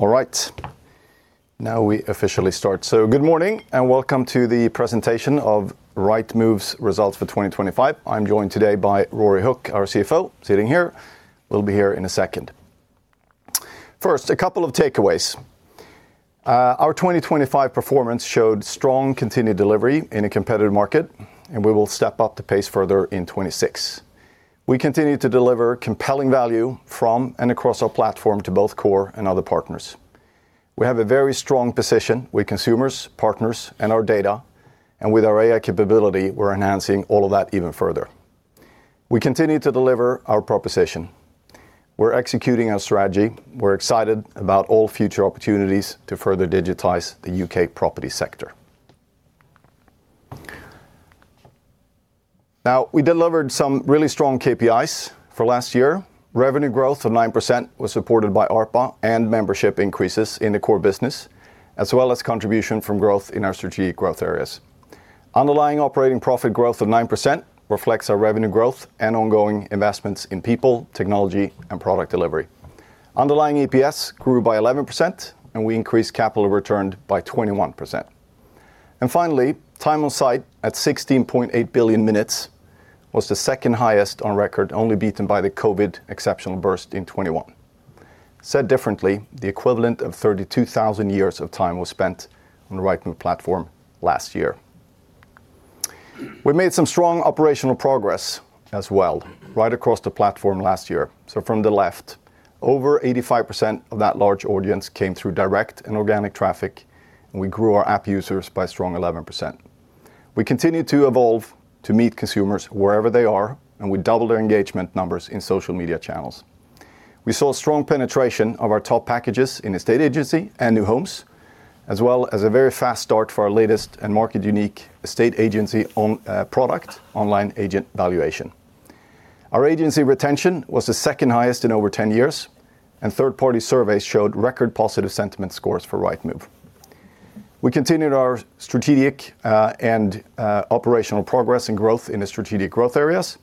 All right, now we officially start. Good morning, and welcome to the presentation of Rightmove's result for 2025. I'm joined today by Ruaridh Hook, our CFO, sitting here, will be here in a second. First, a couple of takeaways. Our 2025 performance showed strong continued delivery in a competitive market, and we will step up the pace further in 2026. We continue to deliver compelling value from and across our platform to both core and other partners. We have a very strong position with consumers, partners, and our data, and with our AI capability, we're enhancing all of that even further. We continue to deliver our proposition. We're executing our strategy. We're excited about all future opportunities to further digitize the U.K. property sector. Now, we delivered some really strong KPIs for last year. Revenue growth of 9% was supported by ARPA and membership increases in the core business, as well as contribution from growth in our strategic growth areas. Underlying operating profit growth of 9% reflects our revenue growth and ongoing investments in people, technology, and product delivery. Underlying EPS grew by 11%. We increased capital return by 21%. Finally, time on site at 16.8 billion minutes was the second highest on record, only beaten by the COVID exceptional burst in 2021. Said differently, the equivalent of 32,000 years of time was spent on the Rightmove platform last year. We made some strong operational progress as well, right across the platform last year. From the left, over 85% of that large audience came through direct and organic traffic, and we grew our app users by a strong 11%. We continued to evolve to meet consumers wherever they are. We doubled our engagement numbers in social media channels. We saw strong penetration of our top packages in estate agency and new homes, as well as a very fast start for our latest and market-unique estate agency product, Online Agent Valuation. Our agency retention was the second highest in over 10 years. Third-party surveys showed record positive sentiment scores for Rightmove. We continued our strategic and operational progress and growth in the strategic growth areas.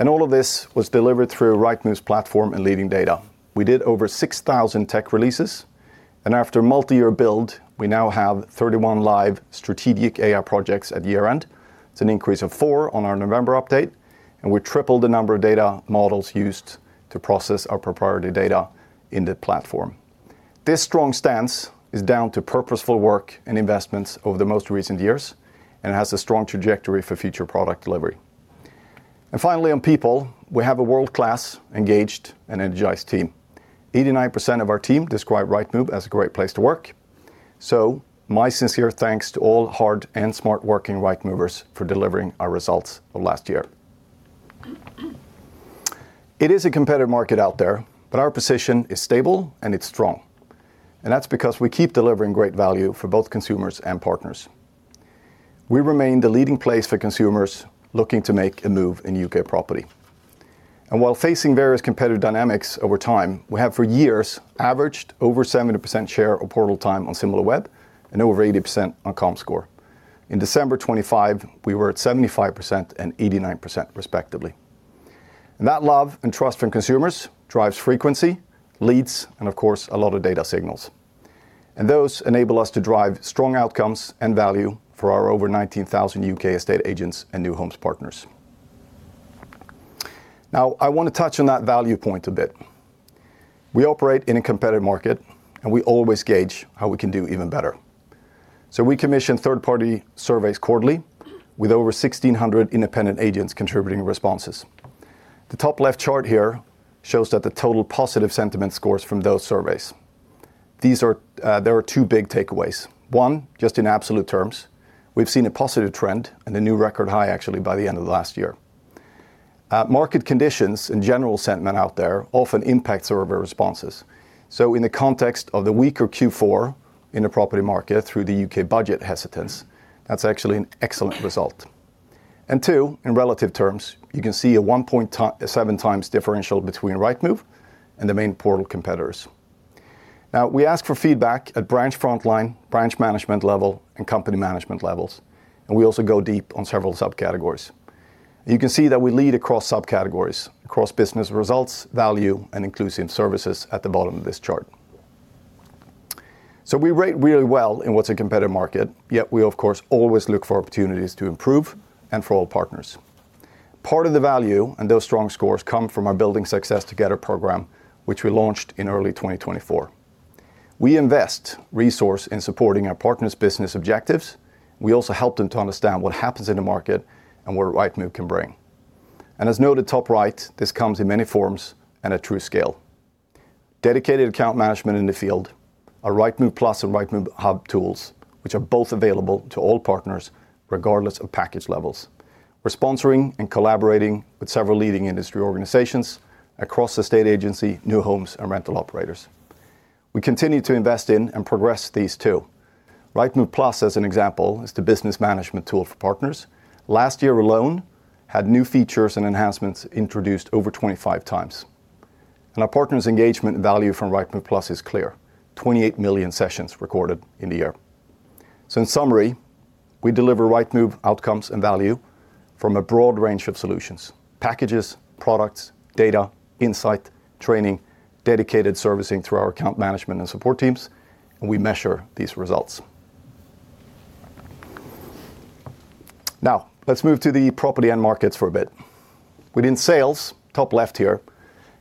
All of this was delivered through Rightmove's platform and leading data. We did over 6,000 tech releases. After a multi-year build, we now have 31 live strategic AI projects at year-end. It's an increase of four on our November update. We tripled the number of data models used to process our proprietary data in the platform. This strong stance is down to purposeful work and investments over the most recent years and has a strong trajectory for future product delivery. Finally, on people, we have a world-class, engaged, and energized team. 89% of our team describe Rightmove as a great place to work. My sincere thanks to all hard- and smart-working Rightmovers for delivering our results of last year. It is a competitive market out there, but our position is stable, and it's strong, and that's because we keep delivering great value for both consumers and partners. We remain the leading place for consumers looking to make a move in U.K. property. While facing various competitive dynamics over time, we have for years averaged over 70% share of portal time on Similarweb and over 80% on Comscore. In December 2025, we were at 75% and 89% respectively. That love and trust from consumers drives frequency, leads, and of course, a lot of data signals. Those enable us to drive strong outcomes and value for our over 19,000 U.K. estate agents and new homes partners. Now, I want to touch on that value point a bit. We operate in a competitive market, and we always gauge how we can do even better. We commission third-party surveys quarterly, with over 1,600 independent agents contributing responses. The top left chart here shows that the total positive sentiment scores from those surveys. There are two big takeaways. One, just in absolute terms, we've seen a positive trend and a new record high, actually, by the end of last year. Market conditions and general sentiment out there often impacts survey responses. In the context of the weaker Q4 in the property market, through the U.K. budget hesitance, that's actually an excellent result. Two, in relative terms, you can see a 1.7x differential between Rightmove and the main portal competitors. Now, we ask for feedback at branch frontline, branch management level, and company management levels, and we also go deep on several subcategories. You can see that we lead across subcategories, across business results, value, and inclusive services at the bottom of this chart. We rate really well in what's a competitive market, yet we, of course, always look for opportunities to improve and for all partners. Part of the value and those strong scores come from our Building Success Together program, which we launched in early 2024. We invest resource in supporting our partners' business objectives. We also help them to understand what happens in the market and what Rightmove can bring. As noted top right, this comes in many forms and at true scale. Dedicated account management in the field, our Rightmove Plus and Rightmove Hub tools, which are both available to all partners, regardless of package levels. We're sponsoring and collaborating with several leading industry organizations across the estate agency, new homes, and rental operators. We continue to invest in and progress these, too. Rightmove Plus, as an example, is the business management tool for partners. Last year alone, had new features and enhancements introduced over 25x. Our partners' engagement value from Rightmove Plus is clear: 28 million sessions recorded in the year. In summary, we deliver Rightmove outcomes and value from a broad range of solutions, packages, products, data, insight, training, dedicated servicing through our account management and support teams, and we measure these results. Let's move to the property and markets for a bit. Within sales, top left here,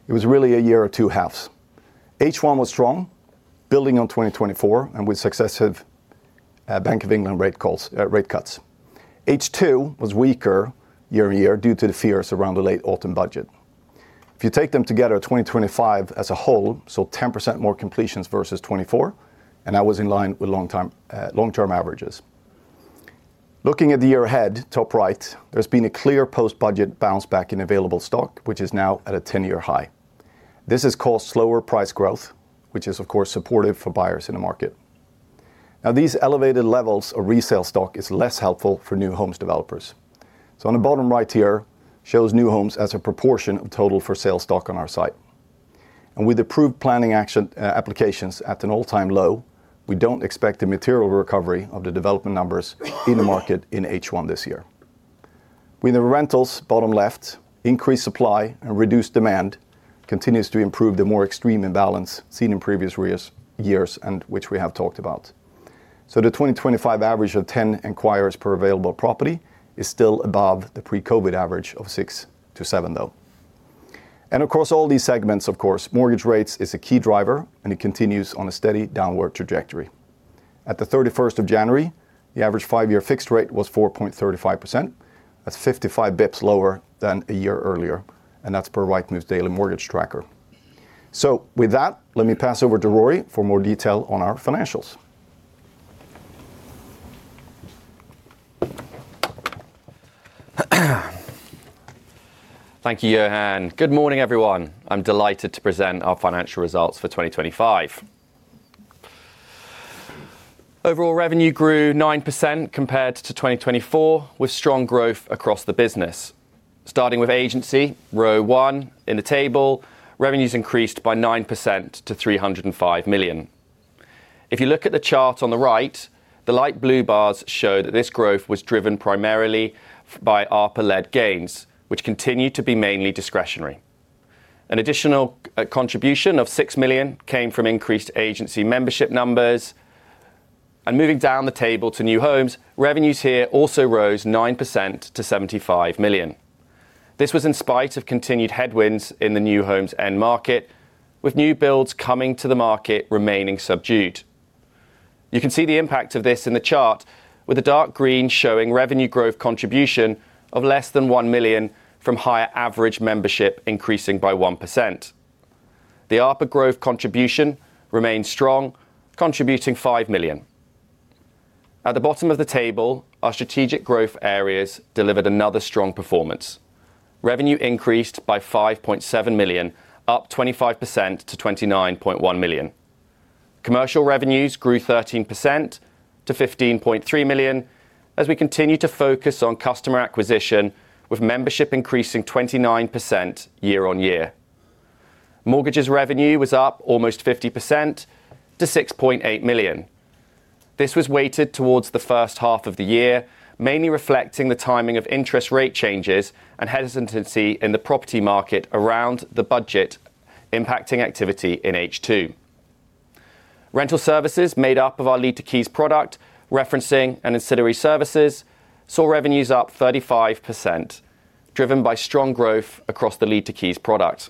it was really a year of 2.5. H1 was strong, building on 2024, and with successive Bank of England rate calls, rate cuts. H2 was weaker year-on-year, due to the fears around the late autumn budget. If you take them together, 2025 as a whole, saw 10% more completions versus 2024, and that was in line with long time, long-term averages. Looking at the year ahead, top right, there's been a clear post-budget bounce back in available stock, which is now at a 10-year high. This has caused slower price growth, which is, of course, supportive for buyers in the market. These elevated levels of resale stock is less helpful for new homes developers. On the bottom right here, shows new homes as a proportion of total for sale stock on our site. With approved planning action, applications at an all-time low, we don't expect a material recovery of the development numbers in the market in H1 this year. With the rentals, bottom left, increased supply and reduced demand continues to improve the more extreme imbalance seen in previous years, and which we have talked about. The 2025 average of 10 enquirers per available property is still above the pre-COVID average of 6-7, though. Across all these segments, of course, mortgage rates is a key driver, and it continues on a steady downward trajectory. At the 31st of January, the average five-year fixed rate was 4.35%. That's 55 basis points lower than a year earlier, and that's per Rightmove daily mortgage tracker. With that, let me pass over to Ruaridh for more detail on our financials. Thank you, Johan. Good morning, everyone. I'm delighted to present our financial results for 2025. Overall revenue grew 9% compared to 2024, with strong growth across the business. Starting with agency, row one in the table, revenues increased by 9% to 305 million. If you look at the chart on the right, the light blue bars show that this growth was driven primarily by ARPA-led gains, which continued to be mainly discretionary. An additional contribution of 6 million came from increased agency membership numbers. Moving down the table to new homes, revenues here also rose 9% to 75 million. This was in spite of continued headwinds in the new homes end market, with new builds coming to the market remaining subdued. You can see the impact of this in the chart with the dark green showing revenue growth contribution of less than 1 million from higher average membership increasing by 1%. The ARPA growth contribution remained strong, contributing 5 million. At the bottom of the table, our strategic growth areas delivered another strong performance. Revenue increased by 5.7 million, up 25% to 29.1 million. Commercial revenues grew 13% to 15.3 million as we continue to focus on customer acquisition, with membership increasing 29% year-on-year. Mortgages revenue was up almost 50% to 6.8 million. This was weighted towards the first half of the year, mainly reflecting the timing of interest rate changes and hesitancy in the property market around the budget, impacting activity in H2. Rental services made up of our Lead to Keys product, referencing and ancillary services, saw revenues up 35%, driven by strong growth across the Lead to Keys product.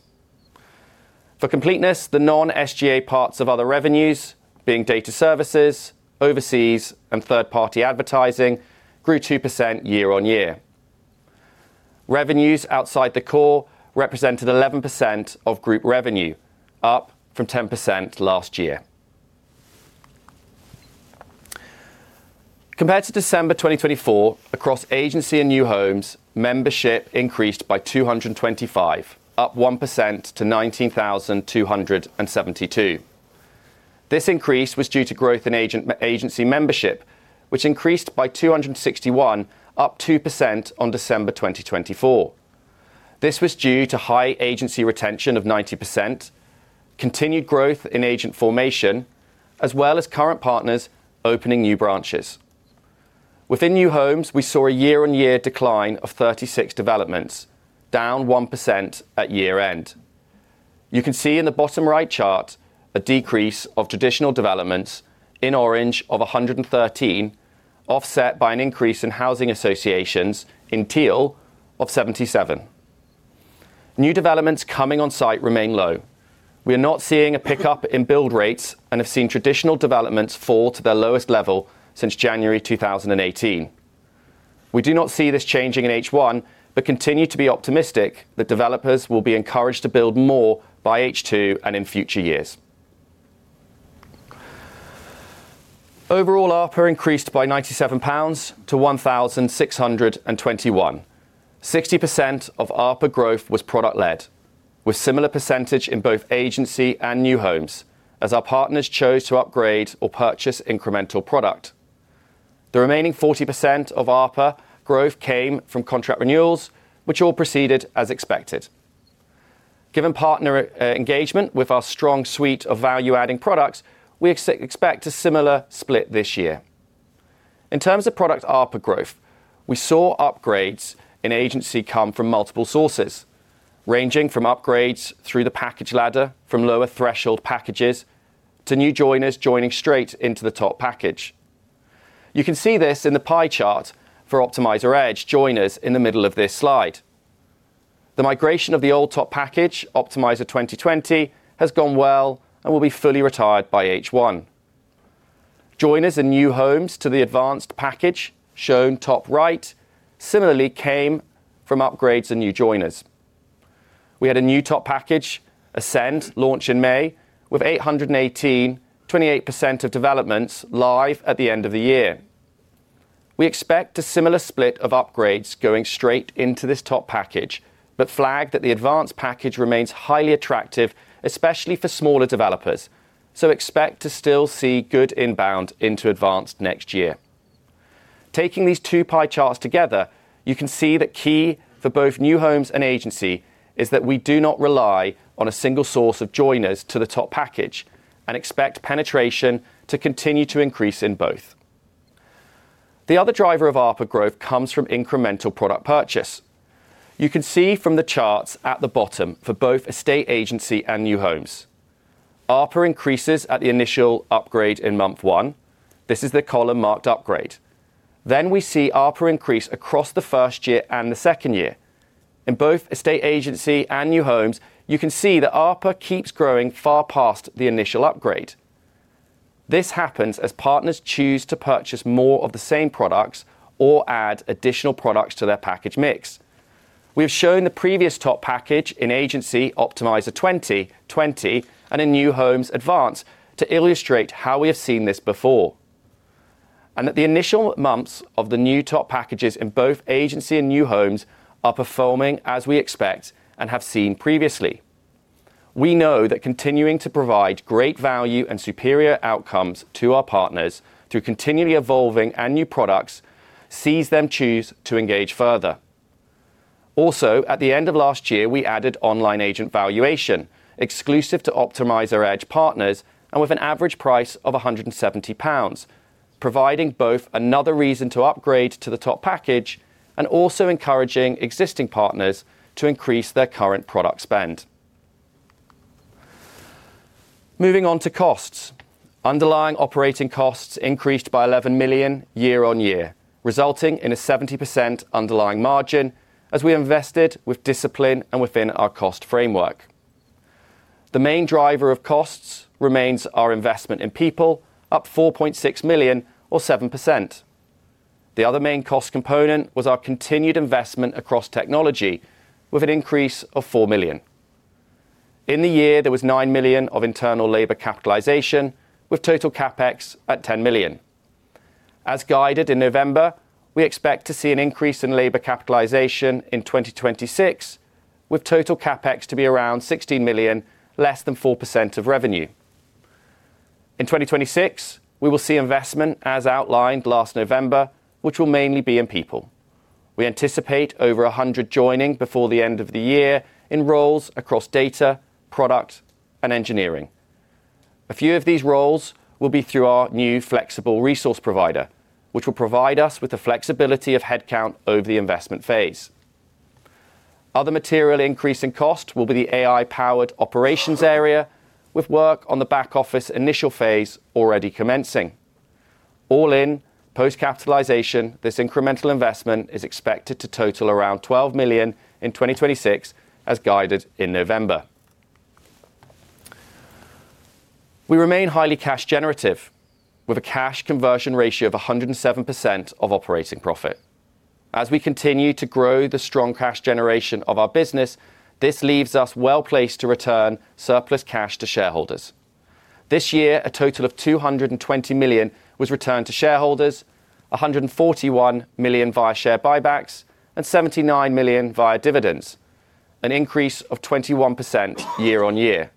For completeness, the non-SG&A parts of other revenues, being data services, overseas, and third-party advertising, grew 2% year-on-year. Revenues outside the core represented 11% of group revenue, up from 10% last year. Compared to December 2024, across agency and new homes, membership increased by 225, up 1% to 19,272. This increase was due to growth in agency membership, which increased by 261, up 2% on December 2024. This was due to high agency retention of 90%, continued growth in agent formation, as well as current partners opening new branches. Within new homes, we saw a year-on-year decline of 36 developments, down 1% at year-end. You can see in the bottom right chart a decrease of traditional developments in orange of 113, offset by an increase in housing associations in teal of 77. New developments coming on site remain low. We are not seeing a pickup in build rates and have seen traditional developments fall to their lowest level since January 2018. We do not see this changing in H1, but continue to be optimistic that developers will be encouraged to build more by H2 and in future years. Overall, ARPA increased by 97 pounds to 1,621. 60% of ARPA growth was product-led, with similar percentage in both agency and new homes, as our partners chose to upgrade or purchase incremental product. The remaining 40% of ARPA growth came from contract renewals, which all proceeded as expected. Given partner engagement with our strong suite of value-adding products, we expect a similar split this year. In terms of product ARPA growth, we saw upgrades in agency come from multiple sources, ranging from upgrades through the package ladder, from lower threshold packages, to new joiners joining straight into the top package. You can see this in the pie chart for Optimiser Edge joiners in the middle of this slide. The migration of the old top package, Optimiser 2020, has gone well, and will be fully retired by H1. Joiners in new homes to the Advanced package, shown top right, similarly came from upgrades and new joiners. We had a new top package, Ascend, launch in May, with 818, 28% of developments live at the end of the year. We expect a similar split of upgrades going straight into this top package, but flag that the Advanced package remains highly attractive, especially for smaller developers. Expect to still see good inbound into Advanced next year. Taking these two pie charts together, you can see that key for both New Homes and Agency is that we do not rely on a single source of joiners to the top package. Expect penetration to continue to increase in both. The other driver of ARPA growth comes from incremental product purchase. You can see from the charts at the bottom for both Estate Agency and New Homes. ARPA increases at the initial upgrade in month one. This is the column marked "Upgrade." We see ARPA increase across the first year and the second year. In both estate agency and new homes, you can see that ARPA keeps growing far past the initial upgrade. This happens as partners choose to purchase more of the same products or add additional products to their package mix. We have shown the previous top package in agency Optimiser 2020, and in new homes Advanced, to illustrate how we have seen this before, and that the initial months of the new top packages in both agency and new homes are performing as we expect and have seen previously. We know that continuing to provide great value and superior outcomes to our partners through continually evolving our new products, sees them choose to engage further. At the end of last year, we added Online Agent Valuation, exclusive to Optimiser Edge partners, with an average price of 170 pounds, providing both another reason to upgrade to the top package and also encouraging existing partners to increase their current product spend. Moving on to costs. Underlying operating costs increased by 11 million year-on-year, resulting in a 70% underlying margin as we invested with discipline and within our cost framework. The main driver of costs remains our investment in people, up 4.6 million or 7%. The other main cost component was our continued investment across technology, with an increase of 4 million. In the year, there was 9 million of internal labor capitalization, with total CapEx at 10 million. As guided in November, we expect to see an increase in labor capitalization in 2026, with total CapEx to be around 16 million, less than 4% of revenue. In 2026, we will see investment as outlined last November, which will mainly be in people. We anticipate over 100 joining before the end of the year in roles across data, product, and engineering. A few of these roles will be through our new flexible resource provider, which will provide us with the flexibility of headcount over the investment phase. Other material increase in cost will be the AI-powered operations area, with work on the back office initial phase already commencing. All in, post-capitalization, this incremental investment is expected to total around 12 million in 2026, as guided in November. We remain highly cash generative, with a cash conversion ratio of 107% of operating profit. As we continue to grow the strong cash generation of our business, this leaves us well-placed to return surplus cash to shareholders. This year, a total of 220 million was returned to shareholders, 141 million via share buybacks, and 79 million via dividends, an increase of 21% year-on-year.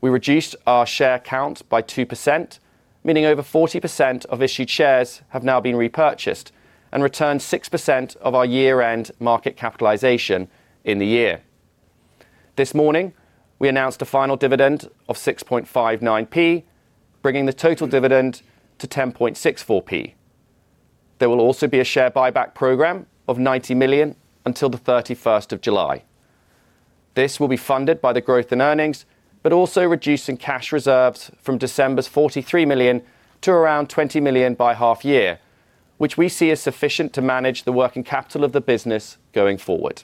We reduced our share count by 2%, meaning over 40% of issued shares have now been repurchased and returned 6% of our year-end market capitalization in the year. This morning, we announced a final dividend of 0.659, bringing the total dividend to 0.1064. There will also be a share buyback program of 90 million until the 31st of July. This will be funded by the growth in earnings, but also reducing cash reserves from December's 43 million to around 20 million by half year, which we see as sufficient to manage the working capital of the business going forward.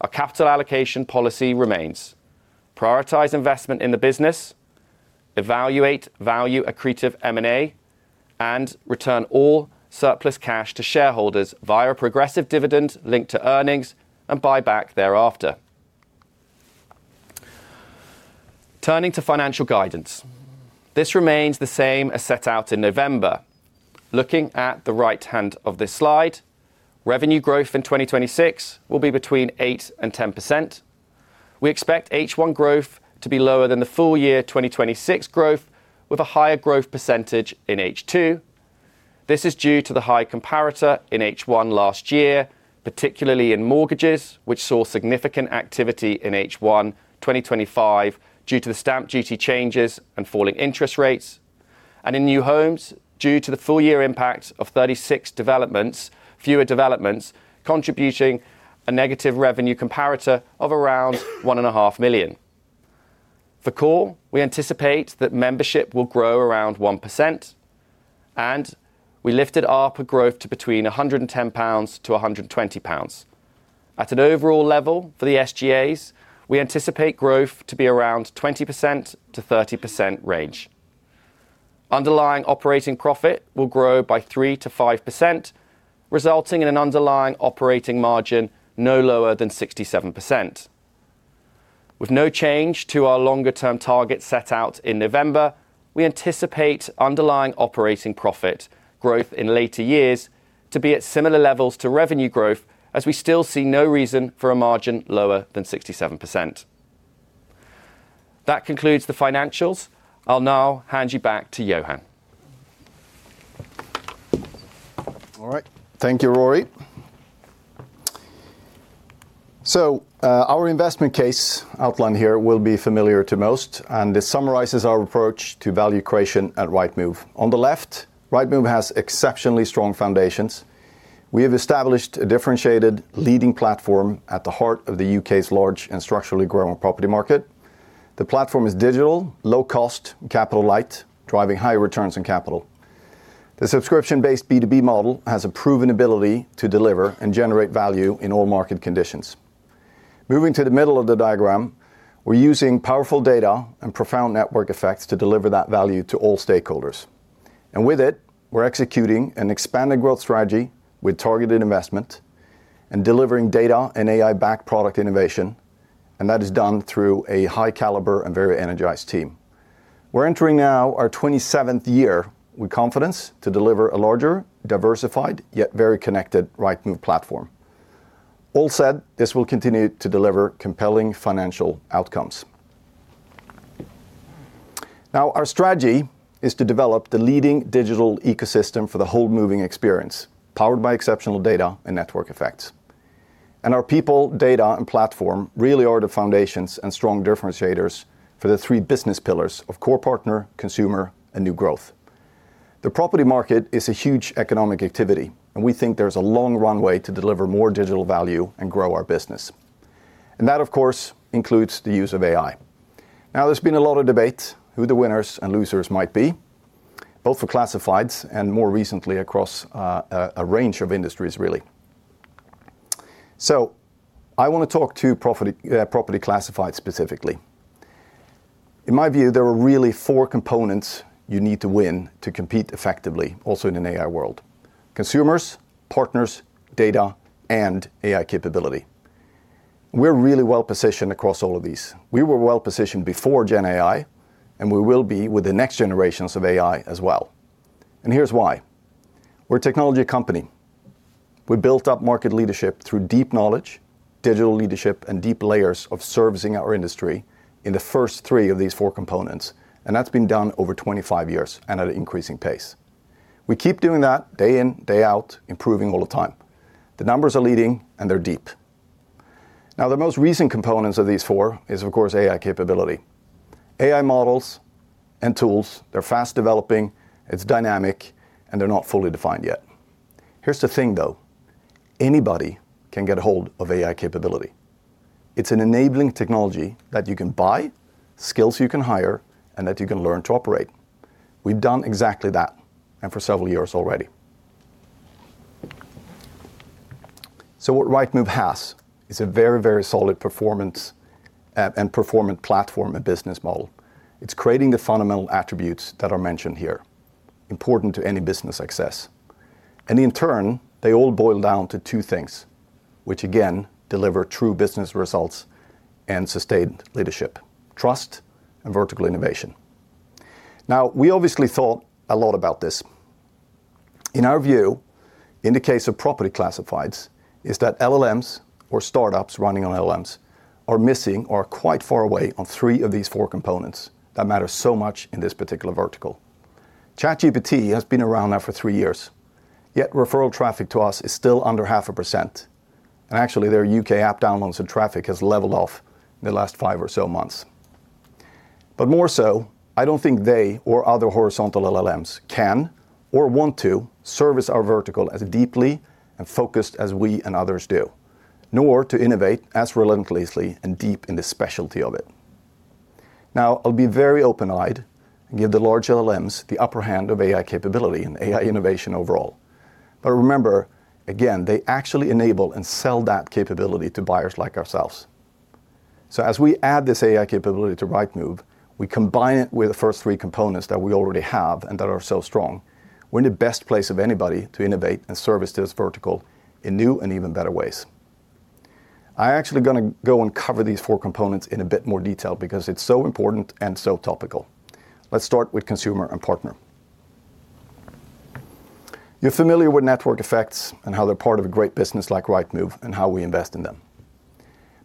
Our capital allocation policy remains: prioritize investment in the business, evaluate value accretive M&A, and return all surplus cash to shareholders via a progressive dividend linked to earnings and buyback thereafter. Turning to financial guidance. This remains the same as set out in November. Looking at the right hand of this slide, revenue growth in 2026 will be between 8% and 10%. We expect H1 growth to be lower than the full year 2026 growth, with a higher growth percentage in H2. This is due to the high comparator in H1 last year, particularly in mortgages, which saw significant activity in H1 2025 due to the stamp duty changes and falling interest rates. In new homes, due to the full year impact of 36 developments, fewer developments, contributing a negative revenue comparator of around 1.5 million. For Core, we anticipate that membership will grow around 1%, and we lifted ARPA growth to between 110-120 pounds. At an overall level for the SG&A, we anticipate growth to be around 20%-30% range. Underlying operating profit will grow by 3%-5%, resulting in an underlying operating margin no lower than 67%. With no change to our longer-term target set out in November, we anticipate underlying operating profit growth in later years to be at similar levels to revenue growth, as we still see no reason for a margin lower than 67%. That concludes the financials. I'll now hand you back to Johan. All right. Thank you, Ruaridh. Our investment case outline here will be familiar to most, and this summarizes our approach to value creation at Rightmove. On the left, Rightmove has exceptionally strong foundations. We have established a differentiated leading platform at the heart of the U.K.'s large and structurally growing property market. The platform is digital, low cost, capital light, driving high returns on capital. The subscription-based B2B model has a proven ability to deliver and generate value in all market conditions. Moving to the middle of the diagram, we're using powerful data and profound network effects to deliver that value to all stakeholders. With it, we're executing an expanded growth strategy with targeted investment and delivering data and AI-backed product innovation, and that is done through a high caliber and very energized team. We're entering now our 27th year with confidence to deliver a larger, diversified, yet very connected Rightmove platform. All said, this will continue to deliver compelling financial outcomes. Now, our strategy is to develop the leading digital ecosystem for the whole moving experience, powered by exceptional data and network effects. Our people, data, and platform really are the foundations and strong differentiators for the three business pillars of Core Partner, Consumer, and New Growth. The property market is a huge economic activity, and we think there's a long runway to deliver more digital value and grow our business. That, of course, includes the use of AI. Now, there's been a lot of debate who the winners and losers might be, both for classifieds and more recently across a range of industries, really. I wanna talk to property classifieds, specifically. In my view, there are really four components you need to win to compete effectively, also in an AI world: consumers, partners, data, and AI capability. We're really well-positioned across all of these. We were well-positioned before GenAI, we will be with the next generations of AI as well. Here's why: We're a technology company. We built up market leadership through deep knowledge, digital leadership, and deep layers of servicing our industry in the first three of these four components, and that's been done over 25 years and at an increasing pace. We keep doing that day in, day out, improving all the time. The numbers are leading, and they're deep. Now, the most recent components of these four is, of course, AI capability. AI models and tools, they're fast developing, it's dynamic, and they're not fully defined yet. Here's the thing, though. Anybody can get a hold of AI capability. It's an enabling technology that you can buy, skills you can hire, and that you can learn to operate. We've done exactly that, and for several years already. What Rightmove has is a very, very solid performance and performant platform and business model. It's creating the fundamental attributes that are mentioned here, important to any business success. In turn, they all boil down to two things, which again, deliver true business results and sustained leadership: trust and vertical innovation. We obviously thought a lot about this. In our view, in the case of property classifieds, is that LLMs or startups running on LLMs are missing or quite far away on three of these four components that matter so much in this particular vertical. ChatGPT has been around now for three years, referral traffic to us is still under 0.5%, actually, their U.K. app downloads and traffic has leveled off in the last five or so months. More so, I don't think they or other horizontal LLMs can or want to service our vertical as deeply and focused as we and others do, nor to innovate as relentlessly and deep in the specialty of it. I'll be very open-eyed and give the large LLMs the upper hand of AI capability and AI innovation overall. Remember, again, they actually enable and sell that capability to buyers like ourselves. As we add this AI capability to Rightmove, we combine it with the first three components that we already have and that are so strong. We're in the best place of anybody to innovate and service this vertical in new and even better ways. I actually gonna go and cover these four components in a bit more detail because it's so important and so topical. Let's start with consumer and partner. You're familiar with network effects and how they're part of a great business like Rightmove and how we invest in them.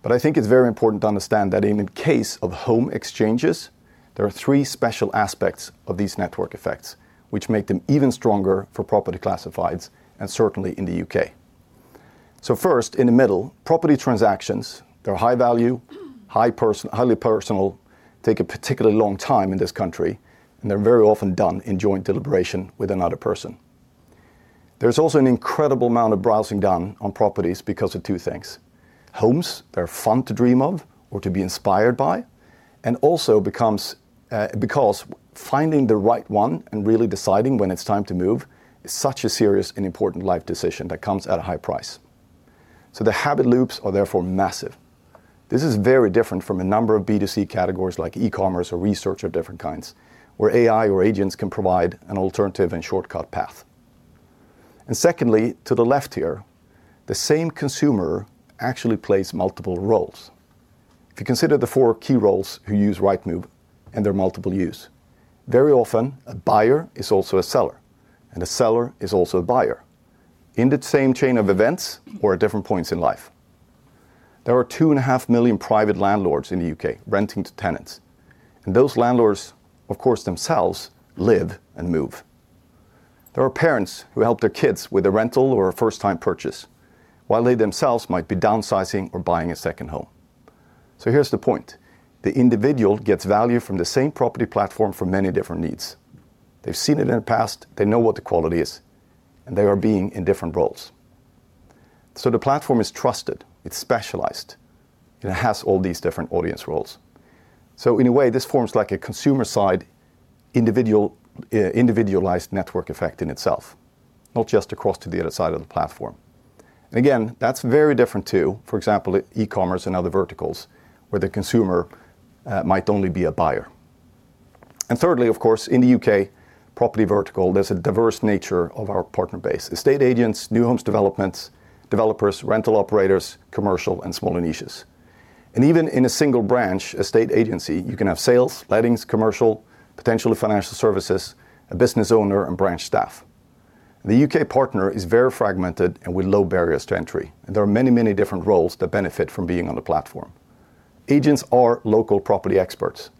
I think it's very important to understand that in the case of home exchanges, there are three special aspects of these network effects, which make them even stronger for property classifieds, and certainly in the U.K. First, in the middle, property transactions, they're high value, highly personal, take a particularly long time in this country, and they're very often done in joint deliberation with another person. There's also an incredible amount of browsing done on properties because of two things: homes, they're fun to dream of or to be inspired by, and also becomes, because finding the right one and really deciding when it's time to move is such a serious and important life decision that comes at a high price. The habit loops are therefore massive. This is very different from a number of B2C categories like e-commerce or research of different kinds, where AI or agents can provide an alternative and shortcut path. Secondly, to the left here, the same consumer actually plays multiple roles. If you consider the four key roles who use Rightmove and their multiple use, very often a buyer is also a seller, and a seller is also a buyer, in the same chain of events or at different points in life. There are two and a half million private landlords in the U.K. renting to tenants, and those landlords, of course, themselves live and move. There are parents who help their kids with a rental or a first-time purchase, while they themselves might be downsizing or buying a second home. Here's the point. The individual gets value from the same property platform for many different needs. They've seen it in the past, they know what the quality is, and they are being in different roles. The platform is trusted, it's specialized, and it has all these different audience roles. In a way, this forms like a consumer-side individual, individualized network effect in itself, not just across to the other side of the platform. Again, that's very different to, for example, e-commerce and other verticals, where the consumer might only be a buyer. Thirdly, of course, in the U.K. property vertical, there's a diverse nature of our partner base. Estate agents, new homes developments, developers, rental operators, commercial, and smaller niches. Even in a single branch, estate agency, you can have sales, lettings, commercial, potentially financial services, a business owner, and branch staff. The U.K. partner is very fragmented and with low barriers to entry, and there are many different roles that benefit from being on the platform. Agents are local property experts,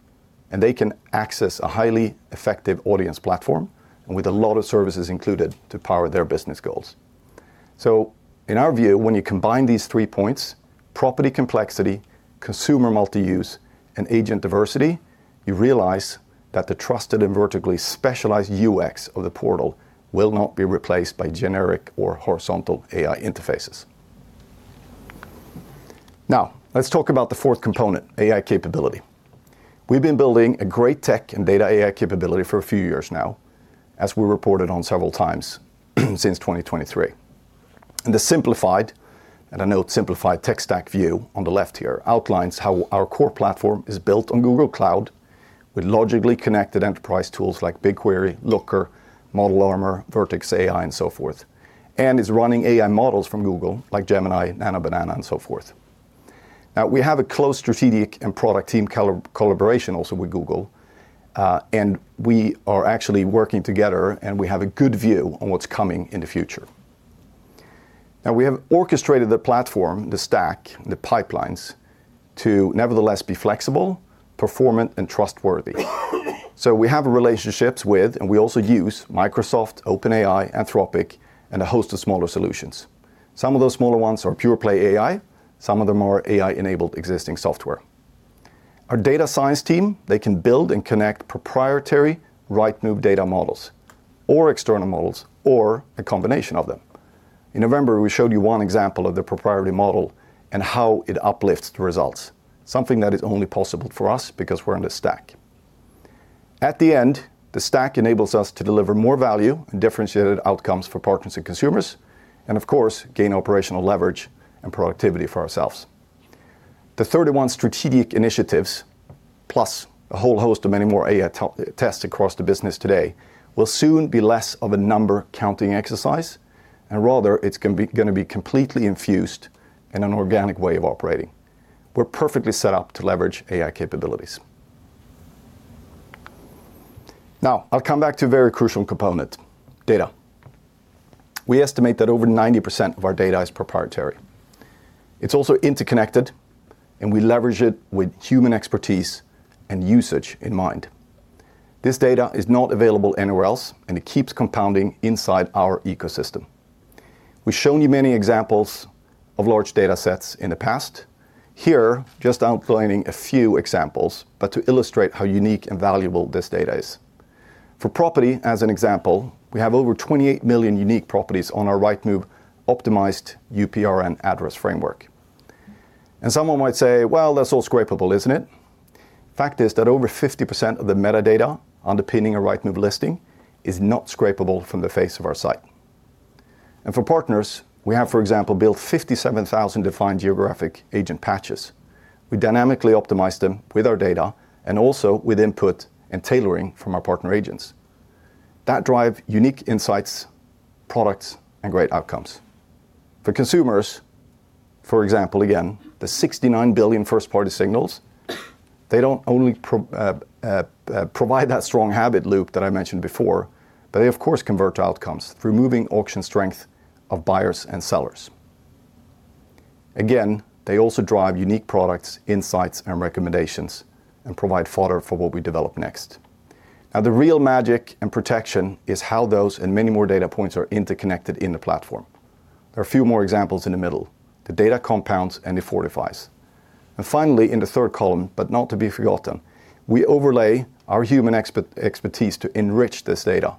they can access a highly effective audience platform and with a lot of services included to power their business goals. In our view, when you combine these three points, property complexity, consumer multi-use, and agent diversity, you realize that the trusted and vertically specialized UX of the portal will not be replaced by generic or horizontal AI interfaces. Let's talk about the fourth component, AI capability. We've been building a great tech and data AI capability for a few years now, as we reported on several times since 2023. The simplified, and I know it's simplified, tech stack view on the left here outlines how our core platform is built on Google Cloud with logically connected enterprise tools like BigQuery, Looker, Model Armor, Vertex AI, and so forth, and is running AI models from Google, like Gemini, Nano Banana, and so forth. We have a close strategic and product team collaboration also with Google, and we are actually working together, and we have a good view on what's coming in the future. We have orchestrated the platform, the stack, the pipelines, to nevertheless be flexible, performant, and trustworthy. We have relationships with, and we also use Microsoft, OpenAI, Anthropic, and a host of smaller solutions. Some of those smaller ones are pure-play AI, some of them are AI-enabled existing software. Our data science team, they can build and connect proprietary Rightmove data models or external models or a combination of them. In November, we showed you one example of the proprietary model and how it uplifts the results, something that is only possible for us because we're in the stack. The stack enables us to deliver more value and differentiated outcomes for partners and consumers, and of course, gain operational leverage and productivity for ourselves. The 31 strategic initiatives, plus a whole host of many more AI tests across the business today, will soon be less of a number counting exercise, Rather, it's gonna be completely infused in an organic way of operating. We're perfectly set up to leverage AI capabilities. Now, I'll come back to a very crucial component, data. We estimate that over 90% of our data is proprietary. It's also interconnected, and we leverage it with human expertise and usage in mind. This data is not available anywhere else, and it keeps compounding inside our ecosystem. We've shown you many examples of large data sets in the past. Here, just outlining a few examples, but to illustrate how unique and valuable this data is. For property, as an example, we have over 28 million unique properties on our Rightmove optimized UPRN address framework. Someone might say, "Well, that's all scrapable, isn't it?" Fact is that over 50% of the metadata underpinning a Rightmove listing is not scrapable from the face of our site. For partners, we have, for example, built 57,000 defined geographic agent patches. We dynamically optimize them with our data and also with input and tailoring from our partner agents. That drive unique insights, products, and great outcomes. For consumers, for example, again, the 69 billion first-party signals. They don't only provide that strong habit loop that I mentioned before, but they of course, convert to outcomes through moving auction strength of buyers and sellers. They also drive unique products, insights, and recommendations, and provide fodder for what we develop next. The real magic and protection is how those and many more data points are interconnected in the platform. There are a few more examples in the middle. The data compounds and it fortifies. Finally, in the third column, but not to be forgotten, we overlay our human expertise to enrich this data.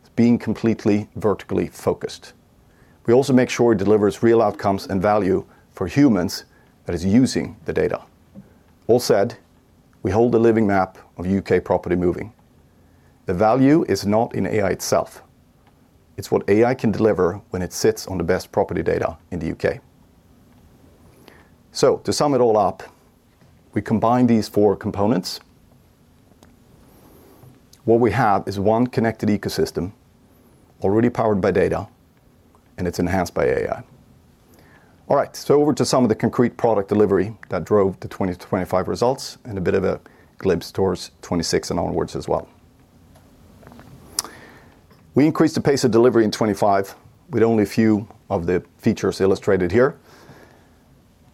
It's being completely vertically focused. We also make sure it delivers real outcomes and value for humans that is using the data. All said, we hold the living map of U.K. property moving. The value is not in AI itself; it's what AI can deliver when it sits on the best property data in the U.K. To sum it all up, we combine these four components. What we have is one connected ecosystem, already powered by data, and it's enhanced by AI. All right, over to some of the concrete product delivery that drove the 2020-2025 results, and a bit of a glimpse towards 2026 and onwards as well. We increased the pace of delivery in 2025, with only a few of the features illustrated here.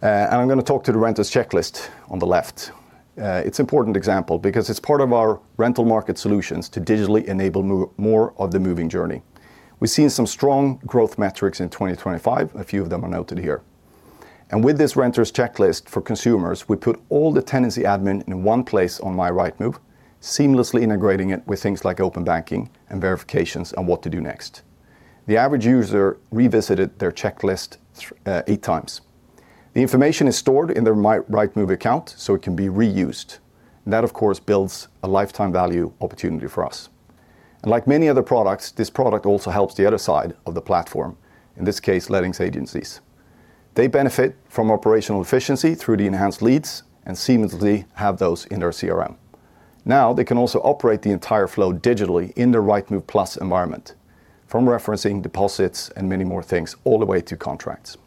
I'm going to talk to the renter's checklist on the left. It's important example, because it's part of our rental market solutions to digitally enable more of the moving journey. We've seen some strong growth metrics in 2025. A few of them are noted here. With this renter's checklist for consumers, we put all the tenancy admin in one place on MyRightmove, seamlessly integrating it with things like open banking and verifications on what to do next. The average user revisited their checklist 8x. The information is stored in their MyRightmove account, so it can be reused, and that, of course, builds a lifetime value opportunity for us. Like many other products, this product also helps the other side of the platform, in this case, lettings agencies. They benefit from operational efficiency through the Enhanced Leads, and seamlessly have those in their CRM. Now, they can also operate the entire flow digitally in the Rightmove Plus environment, from referencing deposits and many more things, all the way to contracts.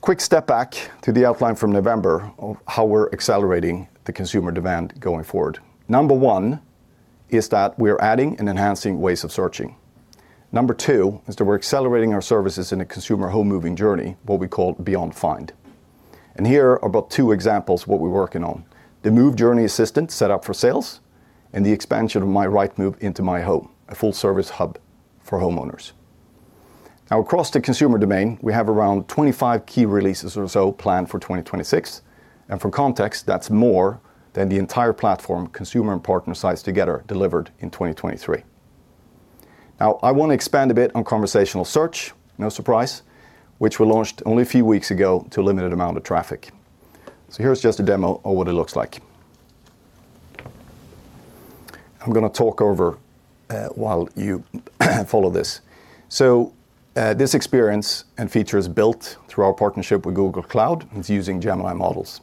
Quick step back to the outline from November of how we're accelerating the consumer demand going forward. Number one is that we are adding and enhancing ways of searching. Number two is that we're accelerating our services in a consumer home moving journey, what we call Beyond Find. Here are about two examples, what we're working on: the Move Journey Assistant set up for sales, and the expansion of MyRightmove into MyHome, a full service hub for homeowners. Across the consumer domain, we have around 25 key releases or so planned for 2026, and for context, that's more than the entire platform, consumer and partner sites together, delivered in 2023. I want to expand a bit on conversational search, no surprise, which we launched only a few weeks ago to a limited amount of traffic. Here's just a demo of what it looks like. I'm going to talk over while you follow this. This experience and feature is built through our partnership with Google Cloud. It's using Gemini models.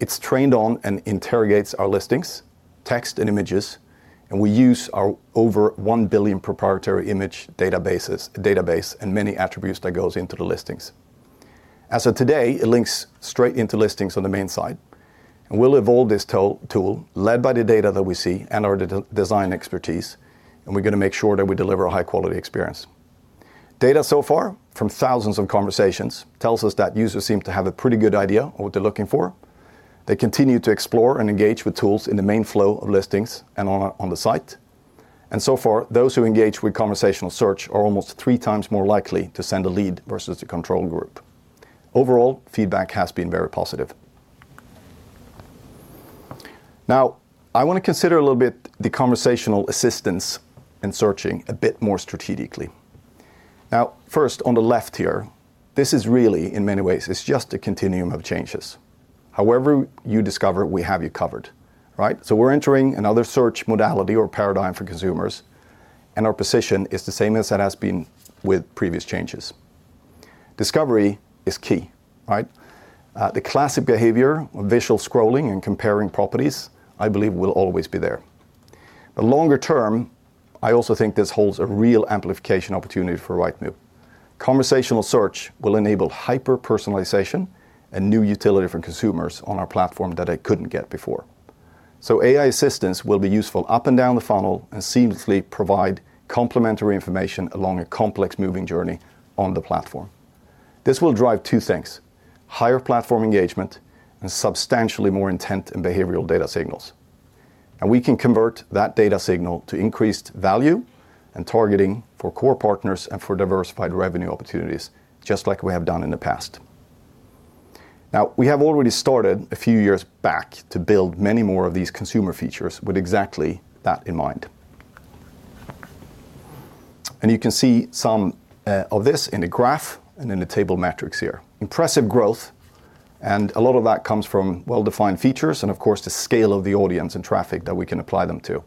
It's trained on and interrogates our listings, text and images, and we use our over 1 billion proprietary image databases, database and many attributes that goes into the listings. As of today, it links straight into listings on the main site. We'll evolve this tool, led by the data that we see and our design expertise. We're going to make sure that we deliver a high-quality experience. Data so far, from thousands of conversations, tells us that users seem to have a pretty good idea of what they're looking for. They continue to explore and engage with tools in the main flow of listings and on the site. So far, those who engage with conversational search are almost 3x more likely to send a lead versus the control group. Overall, feedback has been very positive. I want to consider a little bit the conversational assistance in searching a bit more strategically. First, on the left here, this is really, in many ways, it's just a continuum of changes. However you discover, we have you covered, right? We're entering another search modality or paradigm for consumers, and our position is the same as it has been with previous changes. Discovery is key, right? The classic behavior of visual scrolling and comparing properties, I believe, will always be there. Longer term, I also think this holds a real amplification opportunity for Rightmove. Conversational search will enable hyper-personalization and new utility for consumers on our platform that they couldn't get before. AI assistance will be useful up and down the funnel and seamlessly provide complementary information along a complex moving journey on the platform. This will drive two things: higher platform engagement and substantially more intent in behavioral data signals. We can convert that data signal to increased value and targeting for core partners and for diversified revenue opportunities, just like we have done in the past. We have already started a few years back to build many more of these consumer features with exactly that in mind. You can see some of this in the graph and in the table metrics here. Impressive growth. A lot of that comes from well-defined features and, of course, the scale of the audience and traffic that we can apply them to.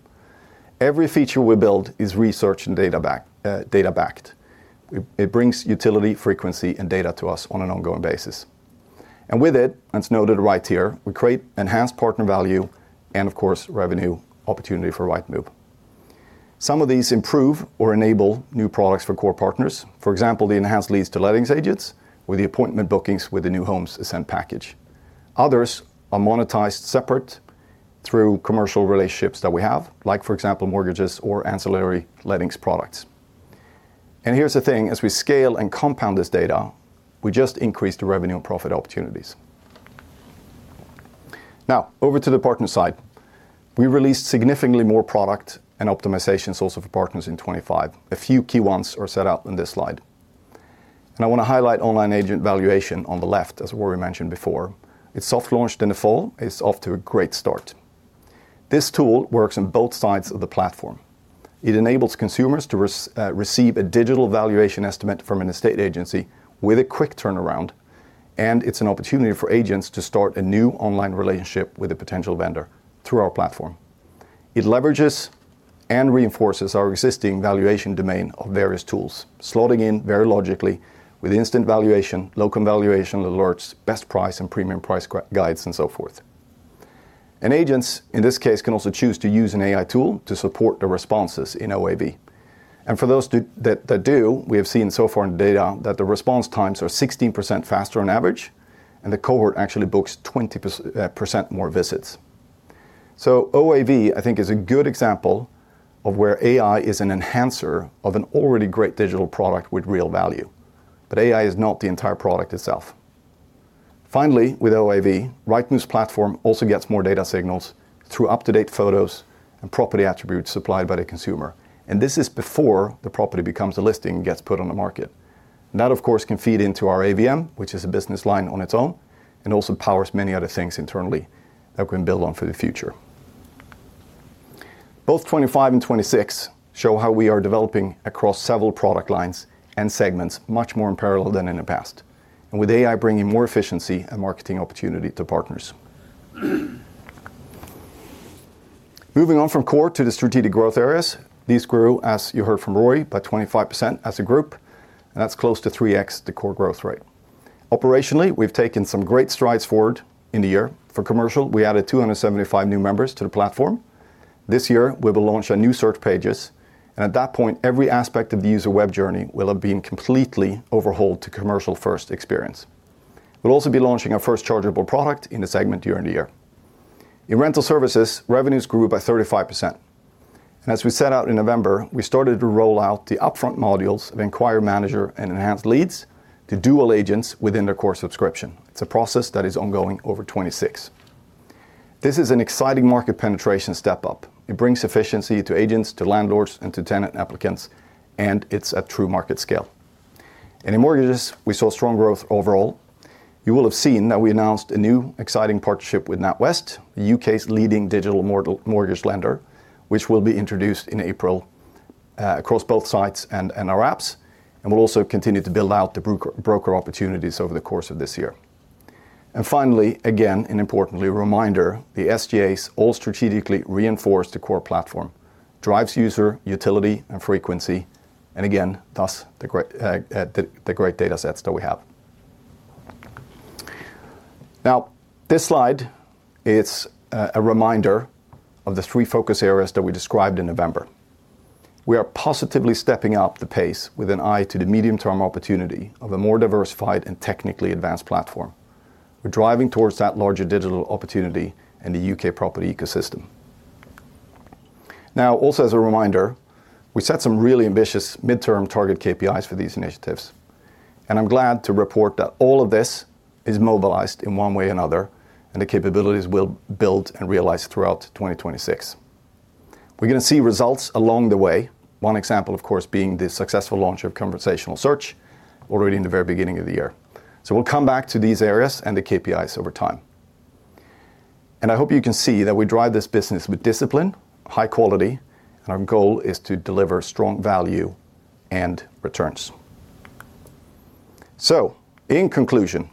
Every feature we build is research and data-backed. It brings utility, frequency, and data to us on an ongoing basis. With it, and it's noted right here, we create enhanced partner value and, of course, revenue opportunity for Rightmove. Some of these improve or enable new products for core partners. For example, the Enhanced Leads to letting agents or the appointment bookings with the New Homes Ascend package. Others are monetized separate through commercial relationships that we have, like, for example, mortgages or ancillary letting products. Here's the thing: as we scale and compound this data, we just increase the revenue and profit opportunities. Over to the partner side. We released significantly more product and optimization source of partners in 2025. A few key ones are set out in this slide. I want to highlight Online Agent Valuation on the left, as Ruaridh mentioned before. It soft launched in the fall. It's off to a great start. This tool works on both sides of the platform. It enables consumers to receive a digital valuation estimate from an estate agency with a quick turnaround. It's an opportunity for agents to start a new online relationship with a potential vendor through our platform. It leverages and reinforces our existing valuation domain of various tools, slotting in very logically with instant valuation, local valuation alerts, best price, and premium price guides, and so forth. Agents, in this case, can also choose to use an AI tool to support the responses in OAV. For those that do, we have seen so far in the data that the response times are 16% faster on average, and the cohort actually books 20% more visits. OAV, I think, is a good example of where AI is an enhancer of an already great digital product with real value, but AI is not the entire product itself. Finally, with OAV, Rightmove platform also gets more data signals through up-to-date photos and property attributes supplied by the consumer, and this is before the property becomes a listing and gets put on the market. That, of course, can feed into our AVM, which is a business line on its own, and also powers many other things internally that we can build on for the future. Both 2025 and 2026 show how we are developing across several product lines and segments, much more in parallel than in the past, and with AI bringing more efficiency and marketing opportunity to partners. Moving on from core to the strategic growth areas, these grew, as you heard from Ruaridh, by 25% as a group, and that's close to 3x the core growth rate. Operationally, we've taken some great strides forward in the year. For commercial, we added 275 new members to the platform. This year, we will launch our new search pages, and at that point, every aspect of the user web journey will have been completely overhauled to commercial-first experience. We'll also be launching our first chargeable product in the segment year and year. In rental services, revenues grew by 35%, and as we set out in November, we started to roll out the upfront modules of Enquiry Manager and Enhanced Leads to dual agents within their core subscription. It's a process that is ongoing over 2026. This is an exciting market penetration step-up. It brings efficiency to agents, to landlords, and to tenant applicants, and it's at true market scale. In mortgages, we saw strong growth overall. You will have seen that we announced a new exciting partnership with NatWest, the U.K.'s leading digital mortgage lender, which will be introduced in April across both sites and our apps, and we'll also continue to build out the broker opportunities over the course of this year. Finally, again, an importantly reminder, the SGAs all strategically reinforce the core platform, drives user utility and frequency, and again, thus, the great data sets that we have. This slide is a reminder of the three focus areas that we described in November. We are positively stepping up the pace with an eye to the medium-term opportunity of a more diversified and technically advanced platform. We're driving towards that larger digital opportunity in the U.K. property ecosystem. Also as a reminder, we set some really ambitious midterm target KPIs for these initiatives, and I'm glad to report that all of this is mobilized in one way or another, and the capabilities will build and realize throughout 2026. We're going to see results along the way. One example, of course, being the successful launch of conversational search already in the very beginning of the year. We'll come back to these areas and the KPIs over time. I hope you can see that we drive this business with discipline, high quality, and our goal is to deliver strong value and returns. In conclusion,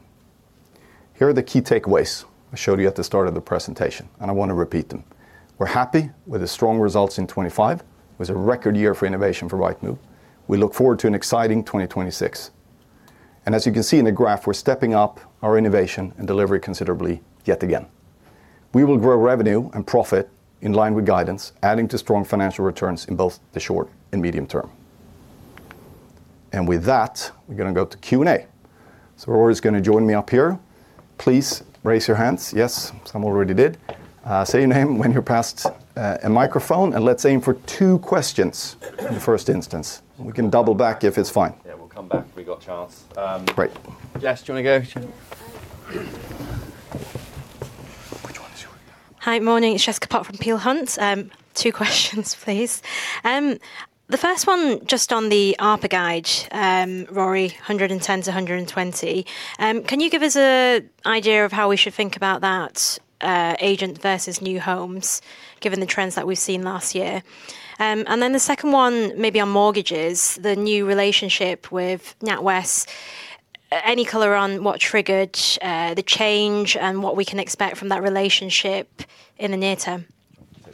here are the key takeaways I showed you at the start of the presentation, and I want to repeat them. We're happy with the strong results in 2025. It was a record year for innovation for Rightmove. We look forward to an exciting 2026. As you can see in the graph, we're stepping up our innovation and delivery considerably yet again. We will grow revenue and profit in line with guidance, adding to strong financial returns in both the short and medium term. With that, we're going to go to Q&A. Ruaridh's going to join me up here. Please raise your hands. Yes, some already did. Say your name when you're passed a microphone, let's aim for two questions in the first instance. We can double back if it's fine. Yeah, we'll come back. We got chance. Great. Jess, do you want to go? Yeah. Which one is yours? Hi. Morning, it's Jessica Pok from Peel Hunt. Two questions, please. The first one, just on the ARPA guide, Ruaridh, 110-120. Can you give us an idea of how we should think about that, agent versus new homes, given the trends that we've seen last year? The second one maybe on mortgages, the new relationship with NatWest. Any color on what triggered the change and what we can expect from that relationship in the near term?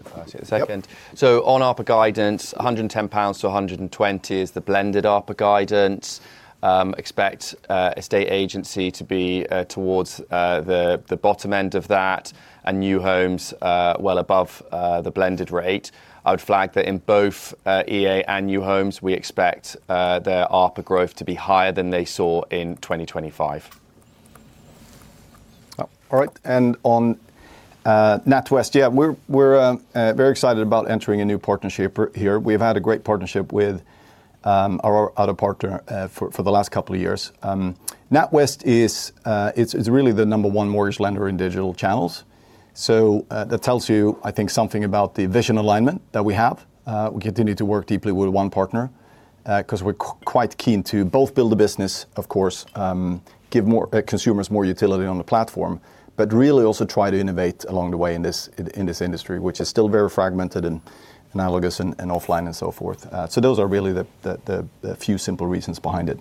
30 a second. On ARPA guidance, 110-120 pounds is the blended ARPA guidance. Expect estate agency to be towards the bottom end of that, and new homes well above the blended rate. I would flag that in both EA and new homes, we expect their ARPA growth to be higher than they saw in 2025. All right. On NatWest, yeah, we're very excited about entering a new partnership here. We've had a great partnership with our other partner for the last couple of years. NatWest is really the number one mortgage lender in digital channels. That tells you, I think, something about the vision alignment that we have. We continue to work deeply with one partner 'cause we're quite keen to both build a business, of course, give more consumers more utility on the platform, but really also try to innovate along the way in this industry, which is still very fragmented and analogous and offline and so forth. Those are really the few simple reasons behind it.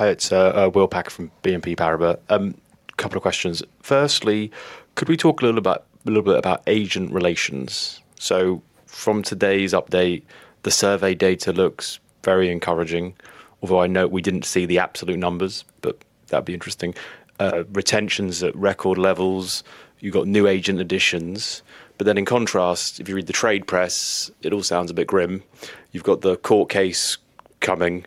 Will? Hi, it's Will Packer from BNP Paribas. Couple of questions. Firstly, could we talk a little bit about agent relations? From today's update, the survey data looks very encouraging, although I note we didn't see the absolute numbers, but that'd be interesting. Retentions at record levels, you've got new agent additions. In contrast, if you read the trade press, it all sounds a bit grim. You've got the court case coming,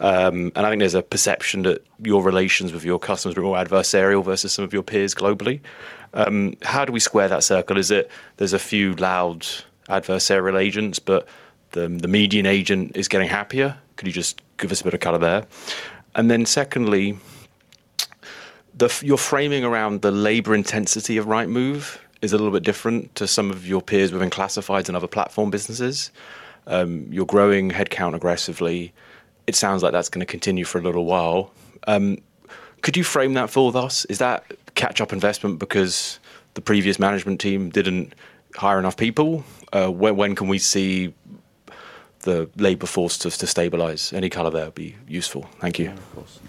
and I think there's a perception that your relations with your customers are more adversarial versus some of your peers globally. How do we square that circle? Is it there's a few loud adversarial agents, but the median agent is getting happier? Could you just give us a bit of color there? Secondly, your framing around the labor intensity of Rightmove is a little bit different to some of your peers within classifieds and other platform businesses. You're growing headcount aggressively. It sounds like that's gonna continue for a little while. Could you frame that for us? Is that catch-up investment because the previous management team didn't hire enough people? When can we see the labor force to stabilize? Any color there would be useful. Thank you. Yeah, of course.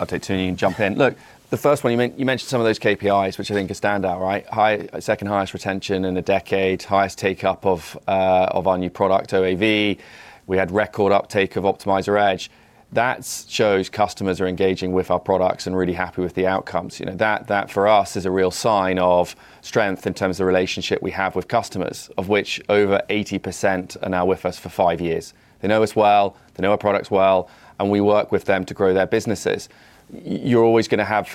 I'll take two and you jump in. Look, the first one, you mentioned some of those KPIs, which I think are standout, right? High, second highest retention in a decade, highest take-up of our new product, OAV. We had record uptake of Optimiser Edge. That's shows customers are engaging with our products and really happy with the outcomes. You know, that, for us, is a real sign of strength in terms of the relationship we have with customers, of which over 80% are now with us for five years. They know us well, they know our products well, and we work with them to grow their businesses. You're always gonna have,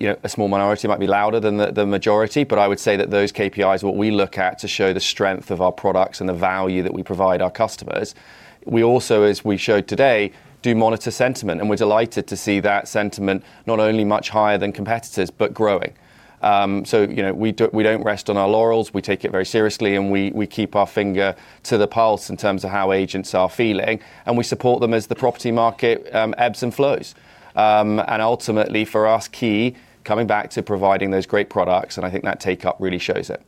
you know, a small minority who might be louder than the majority. I would say that those KPIs are what we look at to show the strength of our products and the value that we provide our customers. We also, as we showed today, do monitor sentiment, and we're delighted to see that sentiment not only much higher than competitors, but growing. You know, we don't rest on our laurels. We take it very seriously, and we keep our finger to the pulse in terms of how agents are feeling, and we support them as the property market ebbs and flows. Ultimately, for us, key, coming back to providing those great products, I think that take-up really shows it.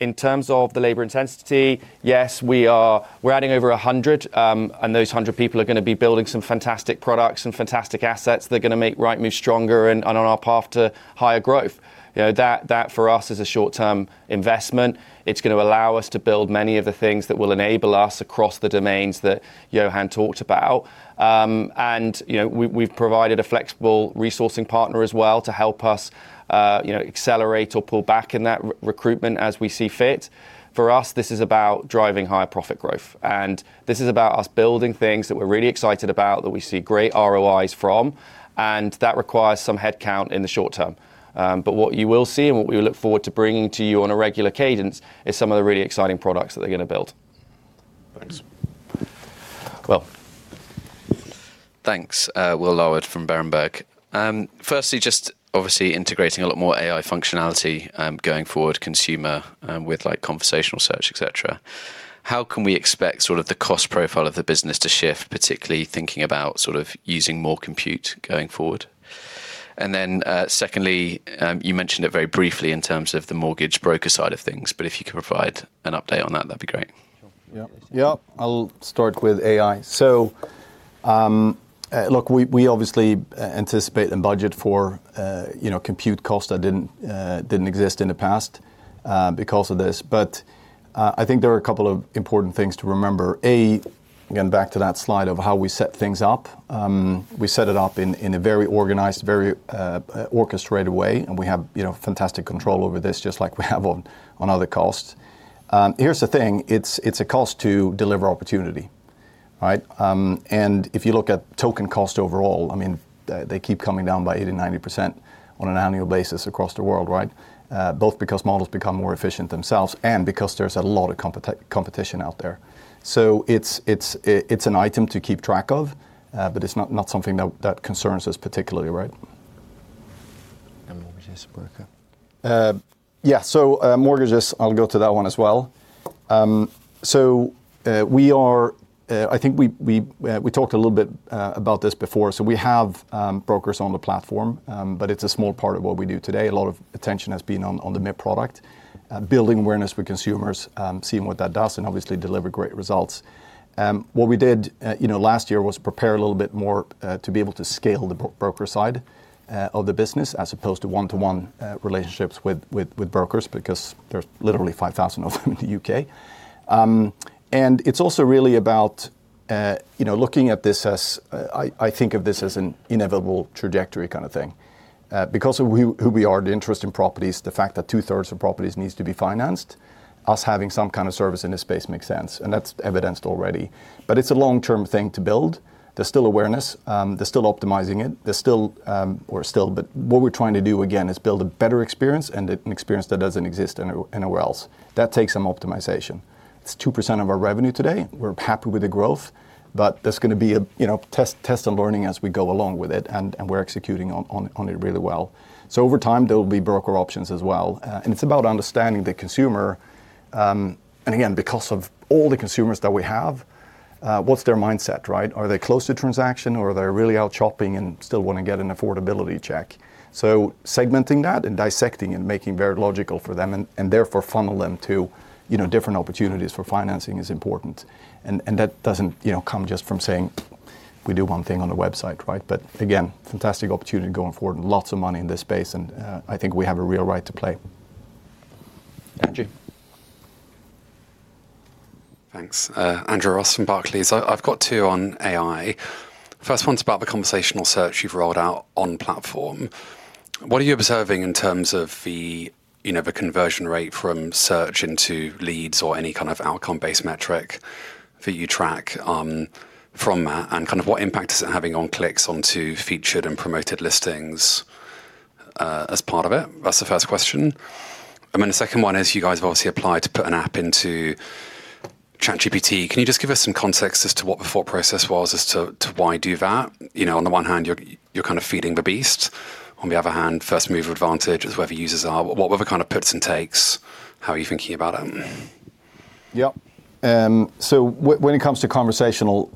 In terms of the labor intensity, yes, we're adding over 100, and those 100 people are gonna be building some fantastic products and fantastic assets. They're gonna make Rightmove stronger and on our path to higher growth. You know, that, for us, is a short-term investment. It's gonna allow us to build many of the things that will enable us across the domains that Johan talked about. You know, we've provided a flexible resourcing partner as well to help us, you know, accelerate or pull back in that recruitment as we see fit. For us, this is about driving higher profit growth, and this is about us building things that we're really excited about, that we see great ROIs from, and that requires some headcount in the short term. What you will see and what we look forward to bringing to you on a regular cadence, is some of the really exciting products that they're gonna build. Thanks. Will? Thanks, Will Larwood from Berenberg. Firstly, just obviously integrating a lot more AI functionality going forward, consumer, with, like, conversational search, et cetera. How can we expect sort of the cost profile of the business to shift, particularly thinking about sort of using more compute going forward? Secondly, you mentioned it very briefly in terms of the mortgage broker side of things, but if you could provide an update on that'd be great. Yeah. Yeah, I'll start with AI. Look, we obviously anticipate and budget for, you know, compute costs that didn't exist in the past because of this. I think there are a couple of important things to remember. Again, back to that slide of how we set things up. We set it up in a very organized, very orchestrated way, and we have, you know, fantastic control over this, just like we have on other costs. Here's the thing, it's a cost to deliver opportunity, all right? If you look at token cost overall, I mean, they keep coming down by 80%, 90% on an annual basis across the world, right? Both because models become more efficient themselves and because there's a lot of competition out there. It's an item to keep track of, but it's not something that concerns us particularly, right? Mortgages broker. Yeah, mortgages, I'll go to that one as well. We are, I think we talked a little bit about this before. We have brokers on the platform, but it's a small part of what we do today. A lot of attention has been on the MIP product, building awareness with consumers, seeing what that does, and obviously deliver great results. What we did, you know, last year, was prepare a little bit more to be able to scale the broker side of the business, as opposed to one-to-one relationships with brokers, because there's literally 5,000 of them in the U.K. It's also really about, you know, looking at this as. I think of this as an inevitable trajectory kind of thing. Because of who we are, the interest in properties, the fact that 2/3 of properties needs to be financed, us having some kind of service in this space makes sense, and that's evidenced already. It's a long-term thing to build. There's still awareness, there's still optimizing it. There's still or still, but what we're trying to do, again, is build a better experience and an experience that doesn't exist anywhere else. That takes some optimization. It's 2% of our revenue today. We're happy with the growth, but there's gonna be a, you know, test and learning as we go along with it, and we're executing on it really well. Over time, there will be broker options as well. It's about understanding the consumer, and again, because of all the consumers that we have, what's their mindset, right? Are they close to transaction or are they really out shopping and still wanna get an affordability check? Segmenting that, and dissecting, and making very logical for them, and therefore funnel them to, you know, different opportunities for financing is important. That doesn't, you know, come just from saying, "We do one thing on the website," right? Again, fantastic opportunity going forward, and lots of money in this space, and I think we have a real right to play. Andrew? Thanks. Andrew Ross from Barclays. I've got two on AI. First one's about the conversational search you've rolled out on platform. What are you observing in terms of the, you know, the conversion rate from search into leads or any kind of outcome-based metric that you track from that? Kind of what impact is it having on clicks onto featured and promoted listings as part of it? That's the first question. The second one is, you guys have obviously applied to put an app into ChatGPT. Can you just give us some context as to what the thought process was as to why do that? You know, on the one hand, you're kind of feeding the beast. On the other hand, first-mover advantage is where the users are. What are the kind of puts and takes, how are you thinking about them? Yep. So when it comes to conversational,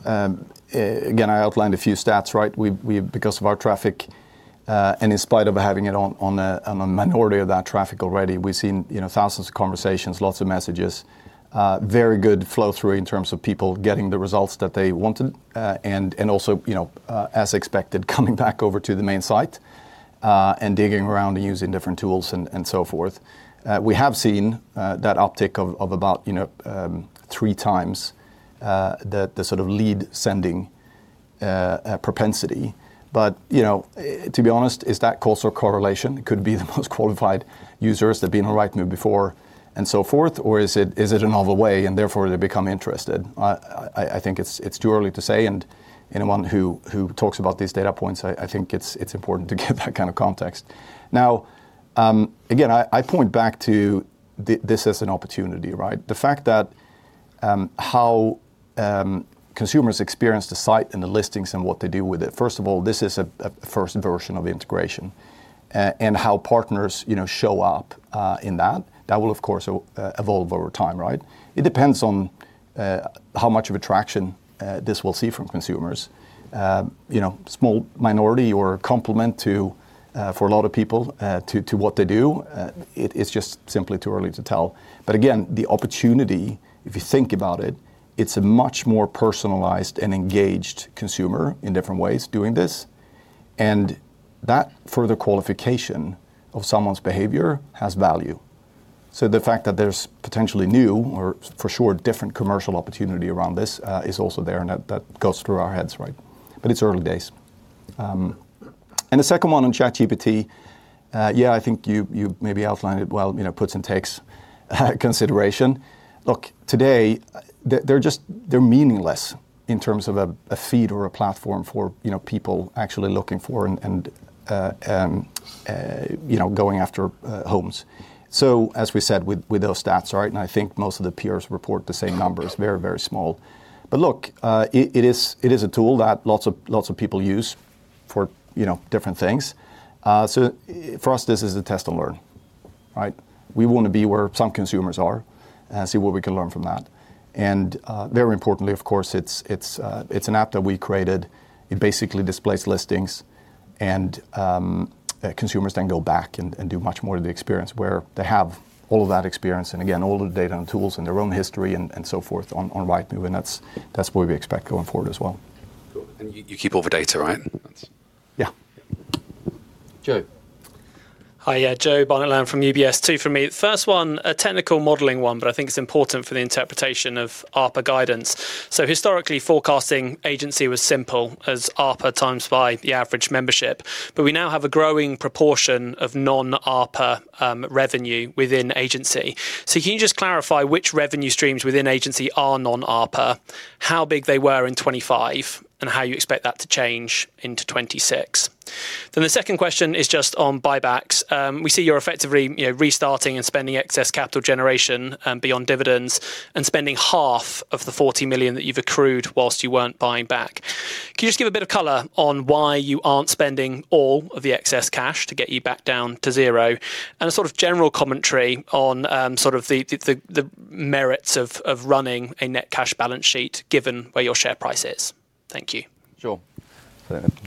again, I outlined a few stats, right? We, because of our traffic, and in spite of having it on a minority of that traffic already, we've seen, you know, thousands of conversations, lots of messages, very good flow through in terms of people getting the results that they wanted, and also, you know, as expected, coming back over to the main site, and digging around and using different tools and so forth. We have seen that uptick of about, you know, 3x the sort of lead-sending propensity. You know, to be honest, is that cause or correlation? It could be the most qualified users that have been on Rightmove before and so forth, or is it a novel way, and therefore they become interested? I think it's too early to say, and anyone who talks about these data points, I think it's important to get that kind of context. Now, again, I point back to this as an opportunity, right? The fact that, how consumers experience the site and the listings and what they do with it, first of all, this is a first version of the integration, and how partners, you know, show up in that will, of course, evolve over time, right? It depends on how much of attraction this will see from consumers. You know, small minority or complement to for a lot of people to what they do, it is just simply too early to tell. Again, the opportunity, if you think about it's a much more personalized and engaged consumer in different ways doing this, and that further qualification of someone's behavior has value. The fact that there's potentially new or, for sure, different commercial opportunity around this is also there, and that goes through our heads, right? It's early days. The second one on ChatGPT, yeah, I think you maybe outlined it well, you know, puts and takes, consideration. Look, today, they're meaningless in terms of a feed or a platform for, you know, people actually looking for and, you know, going after homes. As we said with those stats, right? I think most of the peers report the same numbers, very small. Look, it is a tool that lots of people use for, you know, different things. For us, this is a test and learn, right? We wanna be where some consumers are, see what we can learn from that. Very importantly, of course, it's an app that we created. It basically displays listings and consumers then go back and do much more to the experience, where they have all of that experience, and again, all the data and tools and their own history and so forth, on Rightmove, and that's what we expect going forward as well. Cool. You keep all the data, right? Yeah. Joe? Hi, Joe Barnet-Lamb, I'm from UBS. Two from me. First one, a technical modeling one. I think it's important for the interpretation of ARPA guidance. Historically, forecasting agency was simple, as ARPA times by the average membership. We now have a growing proportion of non-ARPA revenue within agency. Can you just clarify which revenue streams within agency are non-ARPA, how big they were in 2025, and how you expect that to change into 2026? The second question is just on buybacks. We see you're effectively, you know, restarting and spending excess capital generation beyond dividends, and spending half of the 40 million that you've accrued whilst you weren't buying back. Can you just give a bit of color on why you aren't spending all of the excess cash to get you back down to zero? A sort of general commentary on, sort of the merits of running a net cash balance sheet, given where your share price is. Thank you. Sure.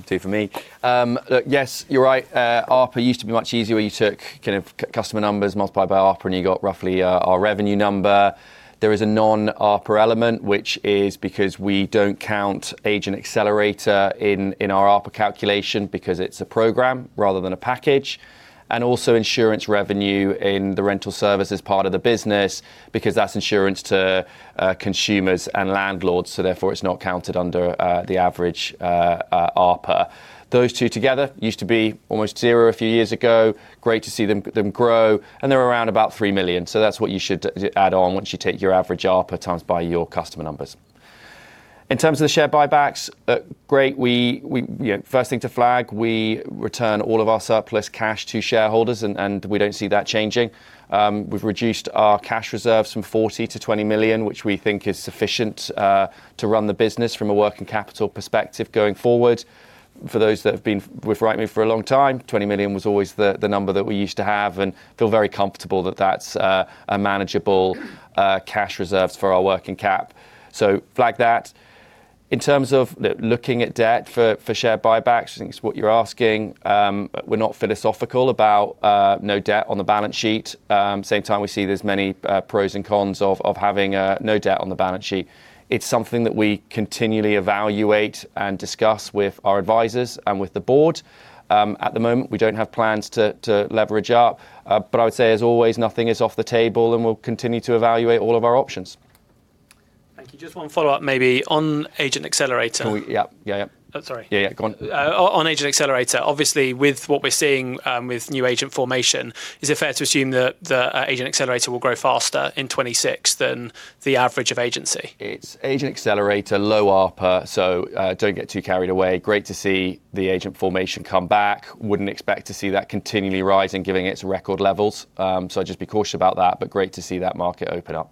Two for me. Look, yes, you're right. ARPA used to be much easier, where you took kind of customer numbers multiplied by ARPA, and you got roughly our revenue number. There is a non-ARPA element, which is because we don't count Agent Accelerator in our ARPA calculation, because it's a program rather than a package, and also insurance revenue in the rental service as part of the business, because that's insurance to consumers and landlords, so therefore, it's not counted under the average ARPA. Those two together used to be almost zero a few years ago. Great to see them grow, and they're around about 3 million. That's what you should add on, once you take your average ARPA times by your customer numbers. In terms of the share buybacks, great, you know, first thing to flag, we return all of our surplus cash to shareholders, and we don't see that changing. We've reduced our cash reserves from 40 million to 20 million, which we think is sufficient to run the business from a working capital perspective going forward. For those that have been with Rightmove for a long time, 20 million was always the number that we used to have, and feel very comfortable that that's a manageable cash reserve for our working cap. Flag that. In terms of looking at debt for share buybacks, I think it's what you're asking, we're not philosophical about no debt on the balance sheet. Same time, we see there's many pros and cons of having no debt on the balance sheet. It's something that we continually evaluate and discuss with our advisors and with the board. At the moment, we don't have plans to leverage up, but I would say, as always, nothing is off the table, and we'll continue to evaluate all of our options. Thank you. Just one follow-up, maybe, on Agent Accelerator. Yeah. Yeah, yeah. Oh, sorry. Yeah, yeah. Go on. On Agent Accelerator, obviously, with what we're seeing, with new agent formation, is it fair to assume that the Agent Accelerator will grow faster in 2026 than the average of agency? It's Agent Accelerator, low ARPA, don't get too carried away. Great to see the agent formation come back. Wouldn't expect to see that continually rising, giving its record levels. Just be cautious about that, but great to see that market open up.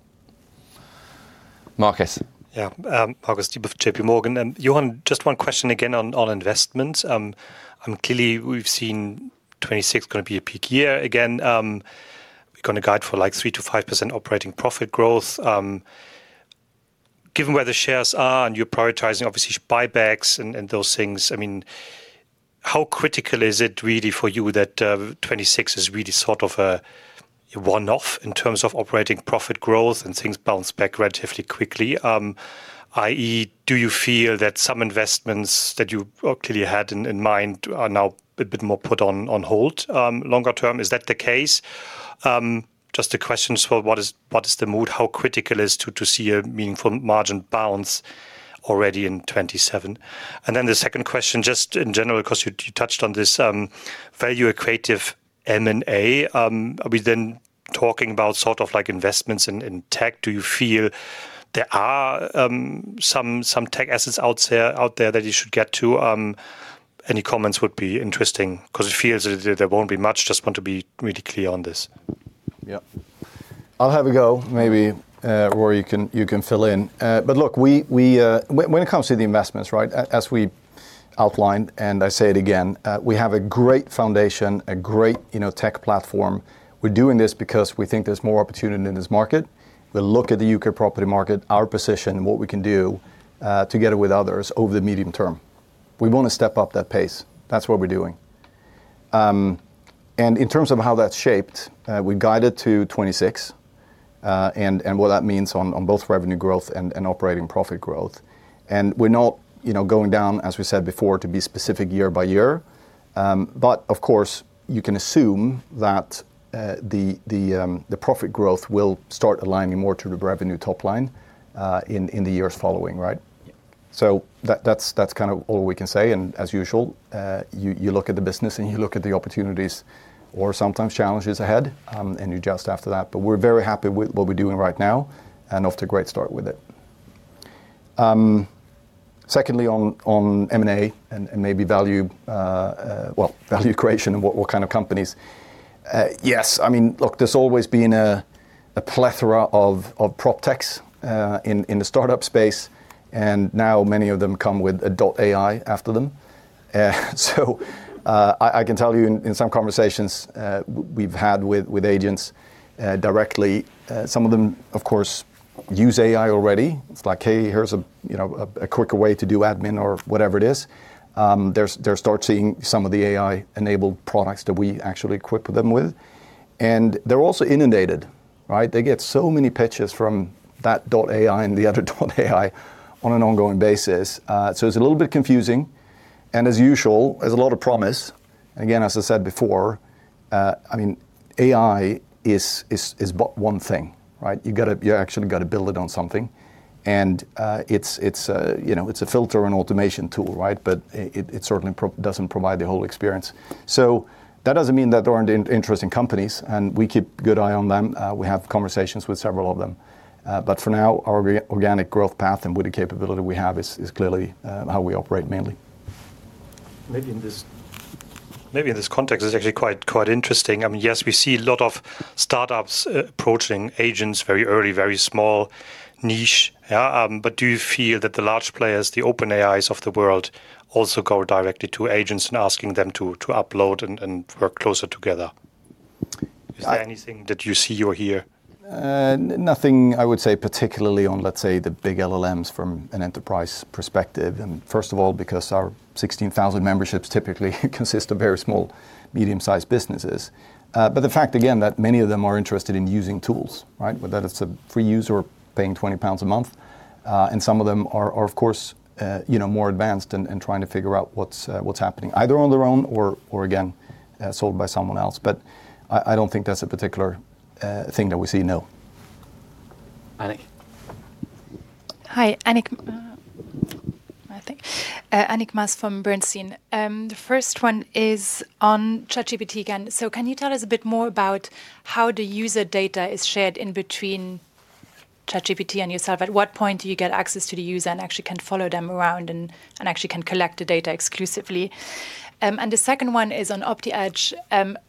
Marcus? Markus Diebel with JPMorgan. Johan, just one question again on investments. Clearly, we've seen 2026 going to be a peak year again. We're going to guide for, like, 3%-5% operating profit growth. Given where the shares are and you're prioritizing, obviously, buybacks and those things, I mean, how critical is it really for you that 2026 is really sort of a one-off in terms of operating profit growth and things bounce back relatively quickly? I.e., do you feel that some investments that you clearly had in mind are now a bit more put on hold longer term? Is that the case? Just a question as well, what is the mood? How critical is to see a meaningful margin bounce already in 2027? The second question, just in general, because you touched on this, value accretive M&A. Are we then talking about sort of, like, investments in tech? Do you feel there are some tech assets out there that you should get to? Any comments would be interesting, because it feels as if there won't be much. Just want to be really clear on this. Yeah. I'll have a go, maybe, Ruaridh, you can fill in. Look, we when it comes to the investments, right? As we outlined, and I say it again, we have a great foundation, a great, you know, tech platform. We're doing this because we think there's more opportunity in this market. We look at the U.K. property market, our position, and what we can do together with others over the medium term. We want to step up that pace. That's what we're doing. In terms of how that's shaped, we guided to 2026, and what that means on both revenue growth and operating profit growth. We're not, you know, going down, as we said before, to be specific year by year. Of course, you can assume that the profit growth will start aligning more to the revenue top line in the years following, right? Yeah. That's kind of all we can say, and as usual, you look at the business, and you look at the opportunities or sometimes challenges ahead, and you adjust after that. We're very happy with what we're doing right now, and off to a great start with it. Secondly, on M&A and maybe value, well, value creation and what kind of companies? Yes, I mean, look, there's always been a plethora of proptechs in the startup space, and now many of them come with adult AI after them. I can tell you in some conversations we've had with agents directly, some of them, of course, use AI already. It's like, "Hey, here's a, you know, a quicker way to do admin," or whatever it is. They're start seeing some of the AI-enabled products that we actually equip them with. They're also inundated, right? They get so many pitches from that .AI and the other .AI on an ongoing basis. It's a little bit confusing, and as usual, there's a lot of promise. Again, as I said before, I mean, AI is but one thing, right? You actually gotta build it on something. It's a, you know, it's a filter and automation tool, right? It certainly doesn't provide the whole experience. That doesn't mean that there aren't interesting companies, and we keep a good eye on them. We have conversations with several of them. For now, our re- organic growth path and with the capability we have is clearly how we operate mainly. Maybe in this context, it's actually quite interesting. I mean, yes, we see a lot of startups, approaching agents very early, very small niche, yeah. Do you feel that the large players, the OpenAI of the world, also go directly to agents and asking them to upload and work closer together? I- Is there anything that you see or hear? Nothing I would say particularly on, let's say, the big LLMs from an enterprise perspective. First of all, because our 16,000 memberships typically consist of very small, medium-sized businesses. The fact again, that many of them are interested in using tools, right? Whether it's a free user or paying 20 pounds a month. Some of them are of course, you know, more advanced and trying to figure out what's happening, either on their own or again, sold by someone else. I don't think that's a particular thing that we see, no. Annick? Hi, I think Annick Maas from Bernstein. The first one is on ChatGPT again. Can you tell us a bit more about how the user data is shared in between ChatGPT and yourself? At what point do you get access to the user and actually can follow them around and actually can collect the data exclusively? The second one is on OptiEdge.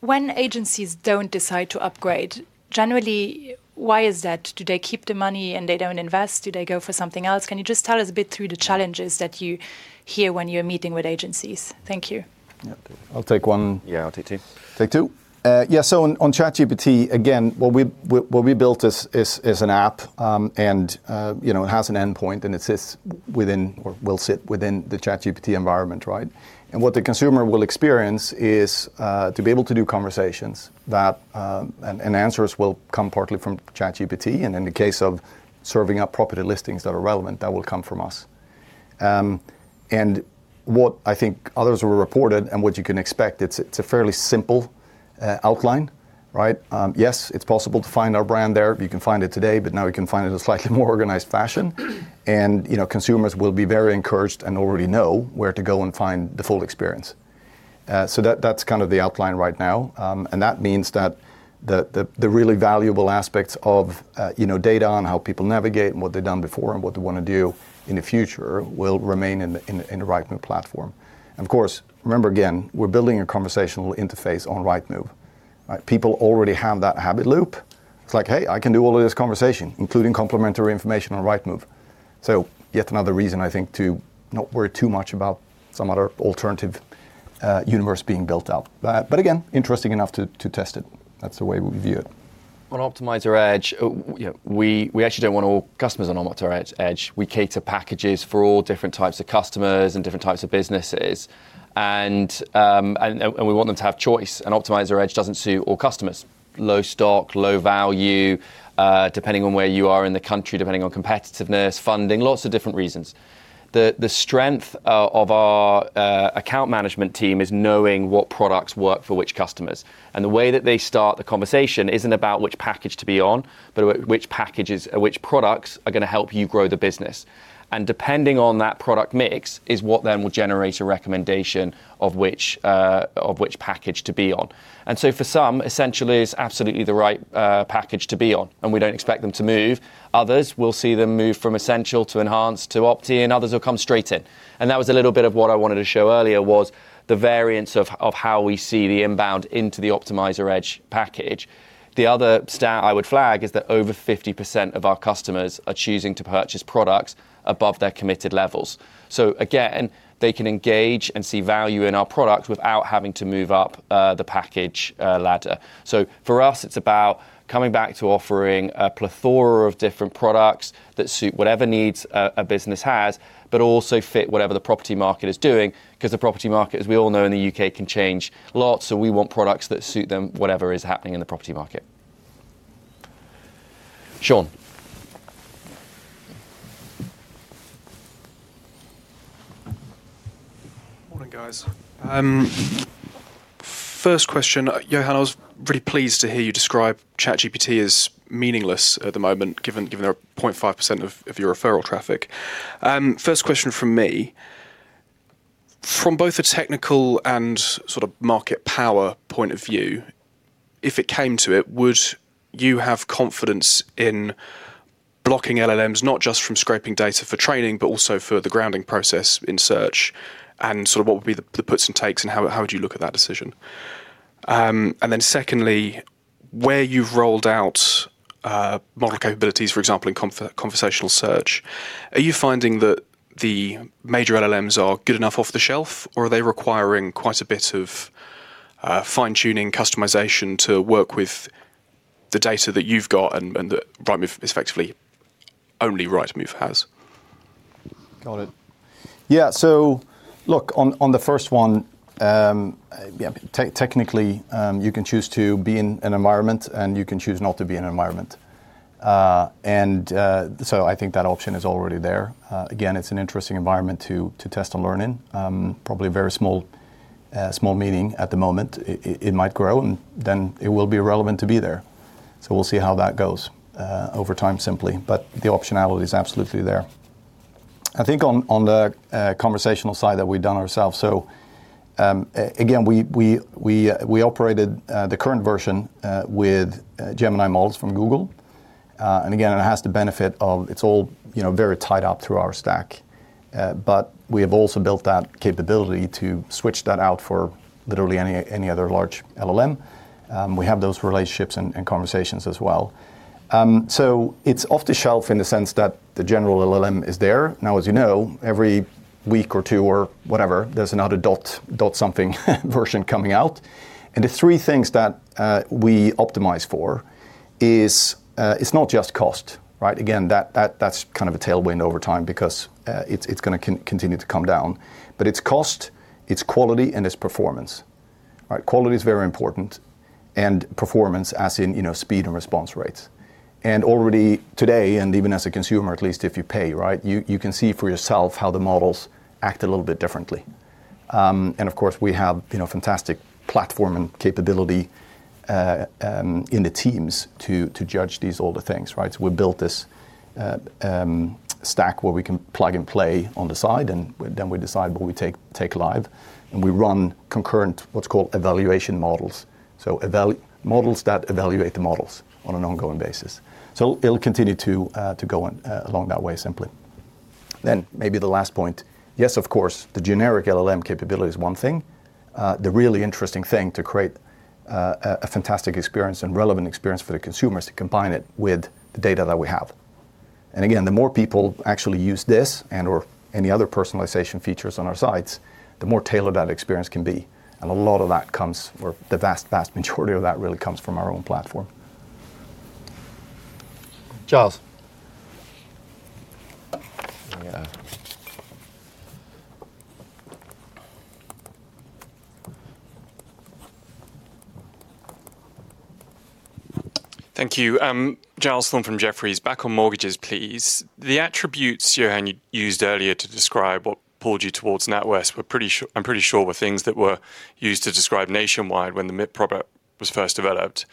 When agencies don't decide to upgrade, generally, why is that? Do they keep the money, they don't invest? Do they go for something else? Can you just tell us a bit through the challenges that you hear when you're meeting with agencies? Thank you. Yeah. I'll take one. Yeah, I'll take two. Take two. Yeah, on ChatGPT, again, what we built is an app, and, you know, it has an endpoint, and it sits within or will sit within the ChatGPT environment, right? What the consumer will experience is to be able to do conversations that. Answers will come partly from ChatGPT, and in the case of serving up property listings that are relevant, that will come from us. What I think others have reported and what you can expect, it's a fairly simple outline, right? Yes, it's possible to find our brand there. You can find it today, but now you can find it in a slightly more organized fashion. You know, consumers will be very encouraged and already know where to go and find the full experience. So that's kind of the outline right now. That means that the really valuable aspects of, you know, data on how people navigate and what they've done before and what they wanna do in the future will remain in the Rightmove platform. Of course, remember again, we're building a conversational interface on Rightmove, right? People already have that habit loop. It's like, "Hey, I can do all of this conversation, including complimentary information on Rightmove." Yet another reason, I think, to not worry too much about some other alternative, universe being built out. Again, interesting enough to test it. That's the way we view it. On Optimiser Edge, you know, we actually don't want all customers on Optimiser Edge. We cater packages for all different types of customers and different types of businesses. We want them to have choice, and Optimiser Edge doesn't suit all customers. Low stock, low value, depending on where you are in the country, depending on competitiveness, funding, lots of different reasons. The strength of our account management team is knowing what products work for which customers. The way that they start the conversation isn't about which package to be on, but which packages or which products are gonna help you grow the business. Depending on that product mix, is what then will generate a recommendation of which of which package to be on. For some, Essential is absolutely the right package to be on, and we don't expect them to move. Others, we'll see them move from Essential to Enhanced to Optimiser, and others will come straight in. That was a little bit of what I wanted to show earlier was the variance of how we see the inbound into the Optimiser Edge package. The other stat I would flag is that over 50% of our customers are choosing to purchase products above their committed levels. Again, they can engage and see value in our products without having to move up the package ladder. For us, it's about coming back to offering a plethora of different products that suit whatever needs a business has, but also fit whatever the property market is doing, 'cause the property market, as we all know, in the U.K., can change a lot. We want products that suit them, whatever is happening in the property market. Sean? Morning, guys. First question. Johan, I was really pleased to hear you describe ChatGPT as meaningless at the moment, given their 0.5% of your referral traffic. First question from me, from both a technical and sort of market power point of view, if it came to it, would you have confidence in blocking LLMs, not just from scraping data for training, but also for the grounding process in search? Sort of what would be the puts and takes, and how would you look at that decision? Secondly, where you've rolled out, model capabilities, for example, in conversational search, are you finding that the major LLMs are good enough off the shelf, or are they requiring quite a bit of, fine-tuning customization to work with the data that you've got and that Rightmove, effectively, only Rightmove has? Got it. Look, on the first one, technically, you can choose to be in an environment, you can choose not to be in an environment. I think that option is already there. Again, it's an interesting environment to test and learn in. Probably a very small meeting at the moment. It might grow, it will be relevant to be there. We'll see how that goes over time, simply, the optionality is absolutely there. I think on the conversational side that we've done ourselves, again, we operated the current version with Gemini models from Google. Again, it has the benefit of it's all, you know, very tied up through our stack. But we have also built that capability to switch that out for literally any other large LLM. We have those relationships and conversations as well. So it's off the shelf in the sense that the general LLM is there. Now, as you know, every week or two or whatever, there's another dot something version coming out. The three things that we optimize for is it's not just cost, right? Again, that's kind of a tailwind over time because it's gonna continue to come down. It's cost, it's quality, and it's performance, right? Quality is very important, and performance as in, you know, speed and response rates. Already today, and even as a consumer, at least if you pay, right? You can see for yourself how the models act a little bit differently. Of course, we have, you know, fantastic platform and capability in the teams to judge these all the things, right? We built this stack where we can plug and play on the side, and then we decide what we take live, and we run concurrent, what's called evaluation models. Models that evaluate the models on an ongoing basis. It'll continue to go on along that way simply. Maybe the last point: yes, of course, the generic LLM capability is one thing. The really interesting thing to create a fantastic experience and relevant experience for the consumer is to combine it with the data that we have. Again, the more people actually use this and or any other personalization features on our sites, the more tailored that experience can be. A lot of that comes, or the vast majority of that really comes from our own platform. Giles? Thank you. Giles Thorne from Jefferies. Back on mortgages, please. The attributes, Johan, you used earlier to describe what pulled you towards NatWest, I'm pretty sure were things that were used to describe Nationwide when the MIP product was first developed.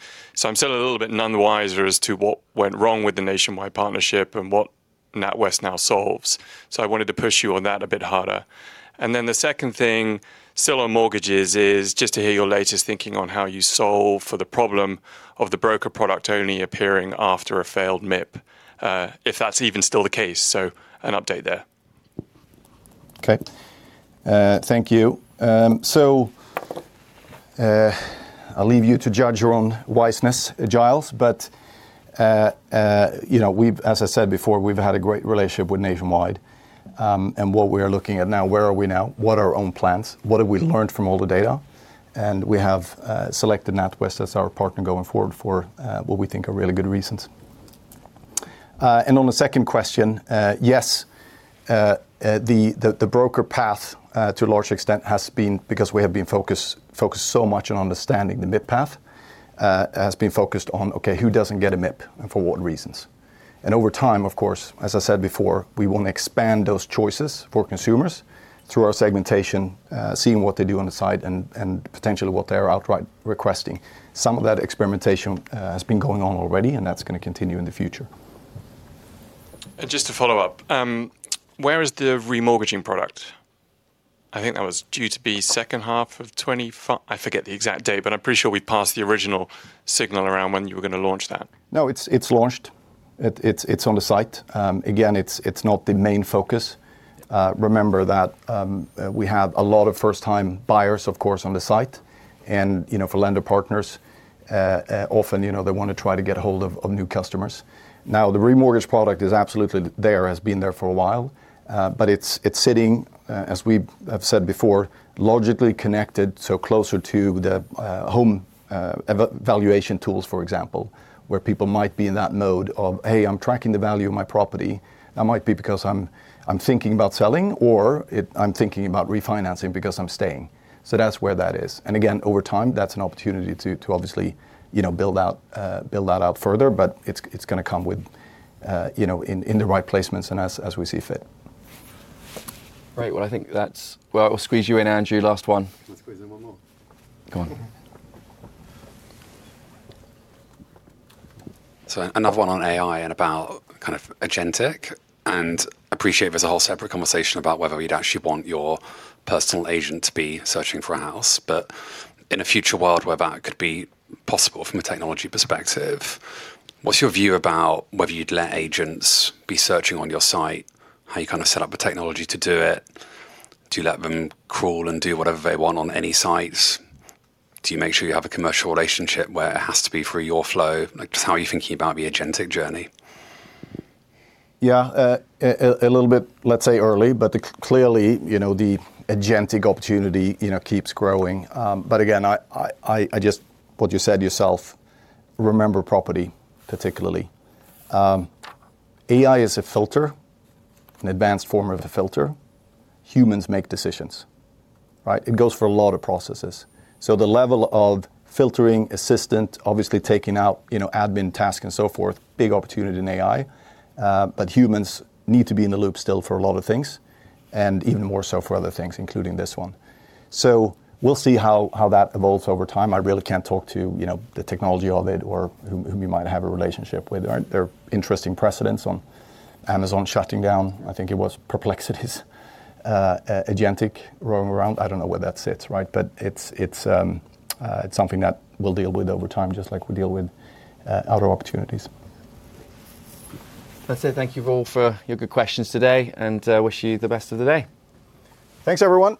I'm still a little bit none the wiser as to what went wrong with the Nationwide partnership and what NatWest now solves. I wanted to push you on that a bit harder. The second thing, still on mortgages, is just to hear your latest thinking on how you solve for the problem of the broker product only appearing after a failed MIP, if that's even still the case. An update there. Okay. Thank you. I'll leave you to judge your own wiseness, Giles. You know, as I said before, we've had a great relationship with Nationwide. What we are looking at now, where are we now? What are our own plans? What have we learned from all the data? We have selected NatWest as our partner going forward for what we think are really good reasons. On the second question, yes, the broker path to a large extent, has been because we have been focused so much on understanding the MIP path, has been focused on, okay, who doesn't get a MIP, and for what reasons? Over time, of course, as I said before, we want to expand those choices for consumers through our segmentation, seeing what they do on the site and potentially what they're outright requesting. Some of that experimentation has been going on already, and that's gonna continue in the future. Just to follow up, where is the remortgaging product? I think that was due to be second half of 2025. I forget the exact date, but I am pretty sure we passed the original signal around when you were going to launch that. It's launched. It's on the site. Again, it's not the main focus. Remember that we have a lot of first-time buyers, of course, on the site. You know, for lender partners, often, you know, they want to try to get a hold of new customers. The remortgage product is absolutely there, has been there for a while, but it's sitting, as we have said before, logically connected, closer to the home valuation tools, for example, where people might be in that mode of, "Hey, I'm tracking the value of my property. That might be because I'm thinking about selling, or I'm thinking about refinancing because I'm staying." That's where that is. Again, over time, that's an opportunity to obviously, you know, build that out further, but it's gonna come with, you know, in the right placements and as we see fit. Right. Well, I think that's. Well, we'll squeeze you in, Andrew. Last one. Let's squeeze in one more. Go on. Another one on AI and about kind of agentic, and appreciate there's a whole separate conversation about whether you'd actually want your personal agent to be searching for a house. In a future world where that could be possible from a technology perspective, what's your view about whether you'd let agents be searching on your site? How you kind of set up the technology to do it? Do you let them crawl and do whatever they want on any sites? Do you make sure you have a commercial relationship where it has to be through your flow? Like, just how are you thinking about the agentic journey? Yeah, a little bit, let's say, early. Clearly, you know, the agentic opportunity, you know, keeps growing. Again, just what you said yourself, remember property, particularly. AI is a filter, an advanced form of a filter. Humans make decisions, right? It goes for a lot of processes. The level of filtering assistant, obviously, taking out, you know, admin tasks and so forth, big opportunity in AI. Humans need to be in the loop still for a lot of things, and even more so for other things, including this one. We'll see how that evolves over time. I really can't talk to, you know, the technology of it or who we might have a relationship with. There are interesting precedents on Amazon shutting down. I think it was Perplexity's agentic roaming around. I don't know where that sits, right? It's something that we'll deal with over time, just like we deal with other opportunities. I'd say thank you all for your good questions today, and wish you the best of the day. Thanks, everyone.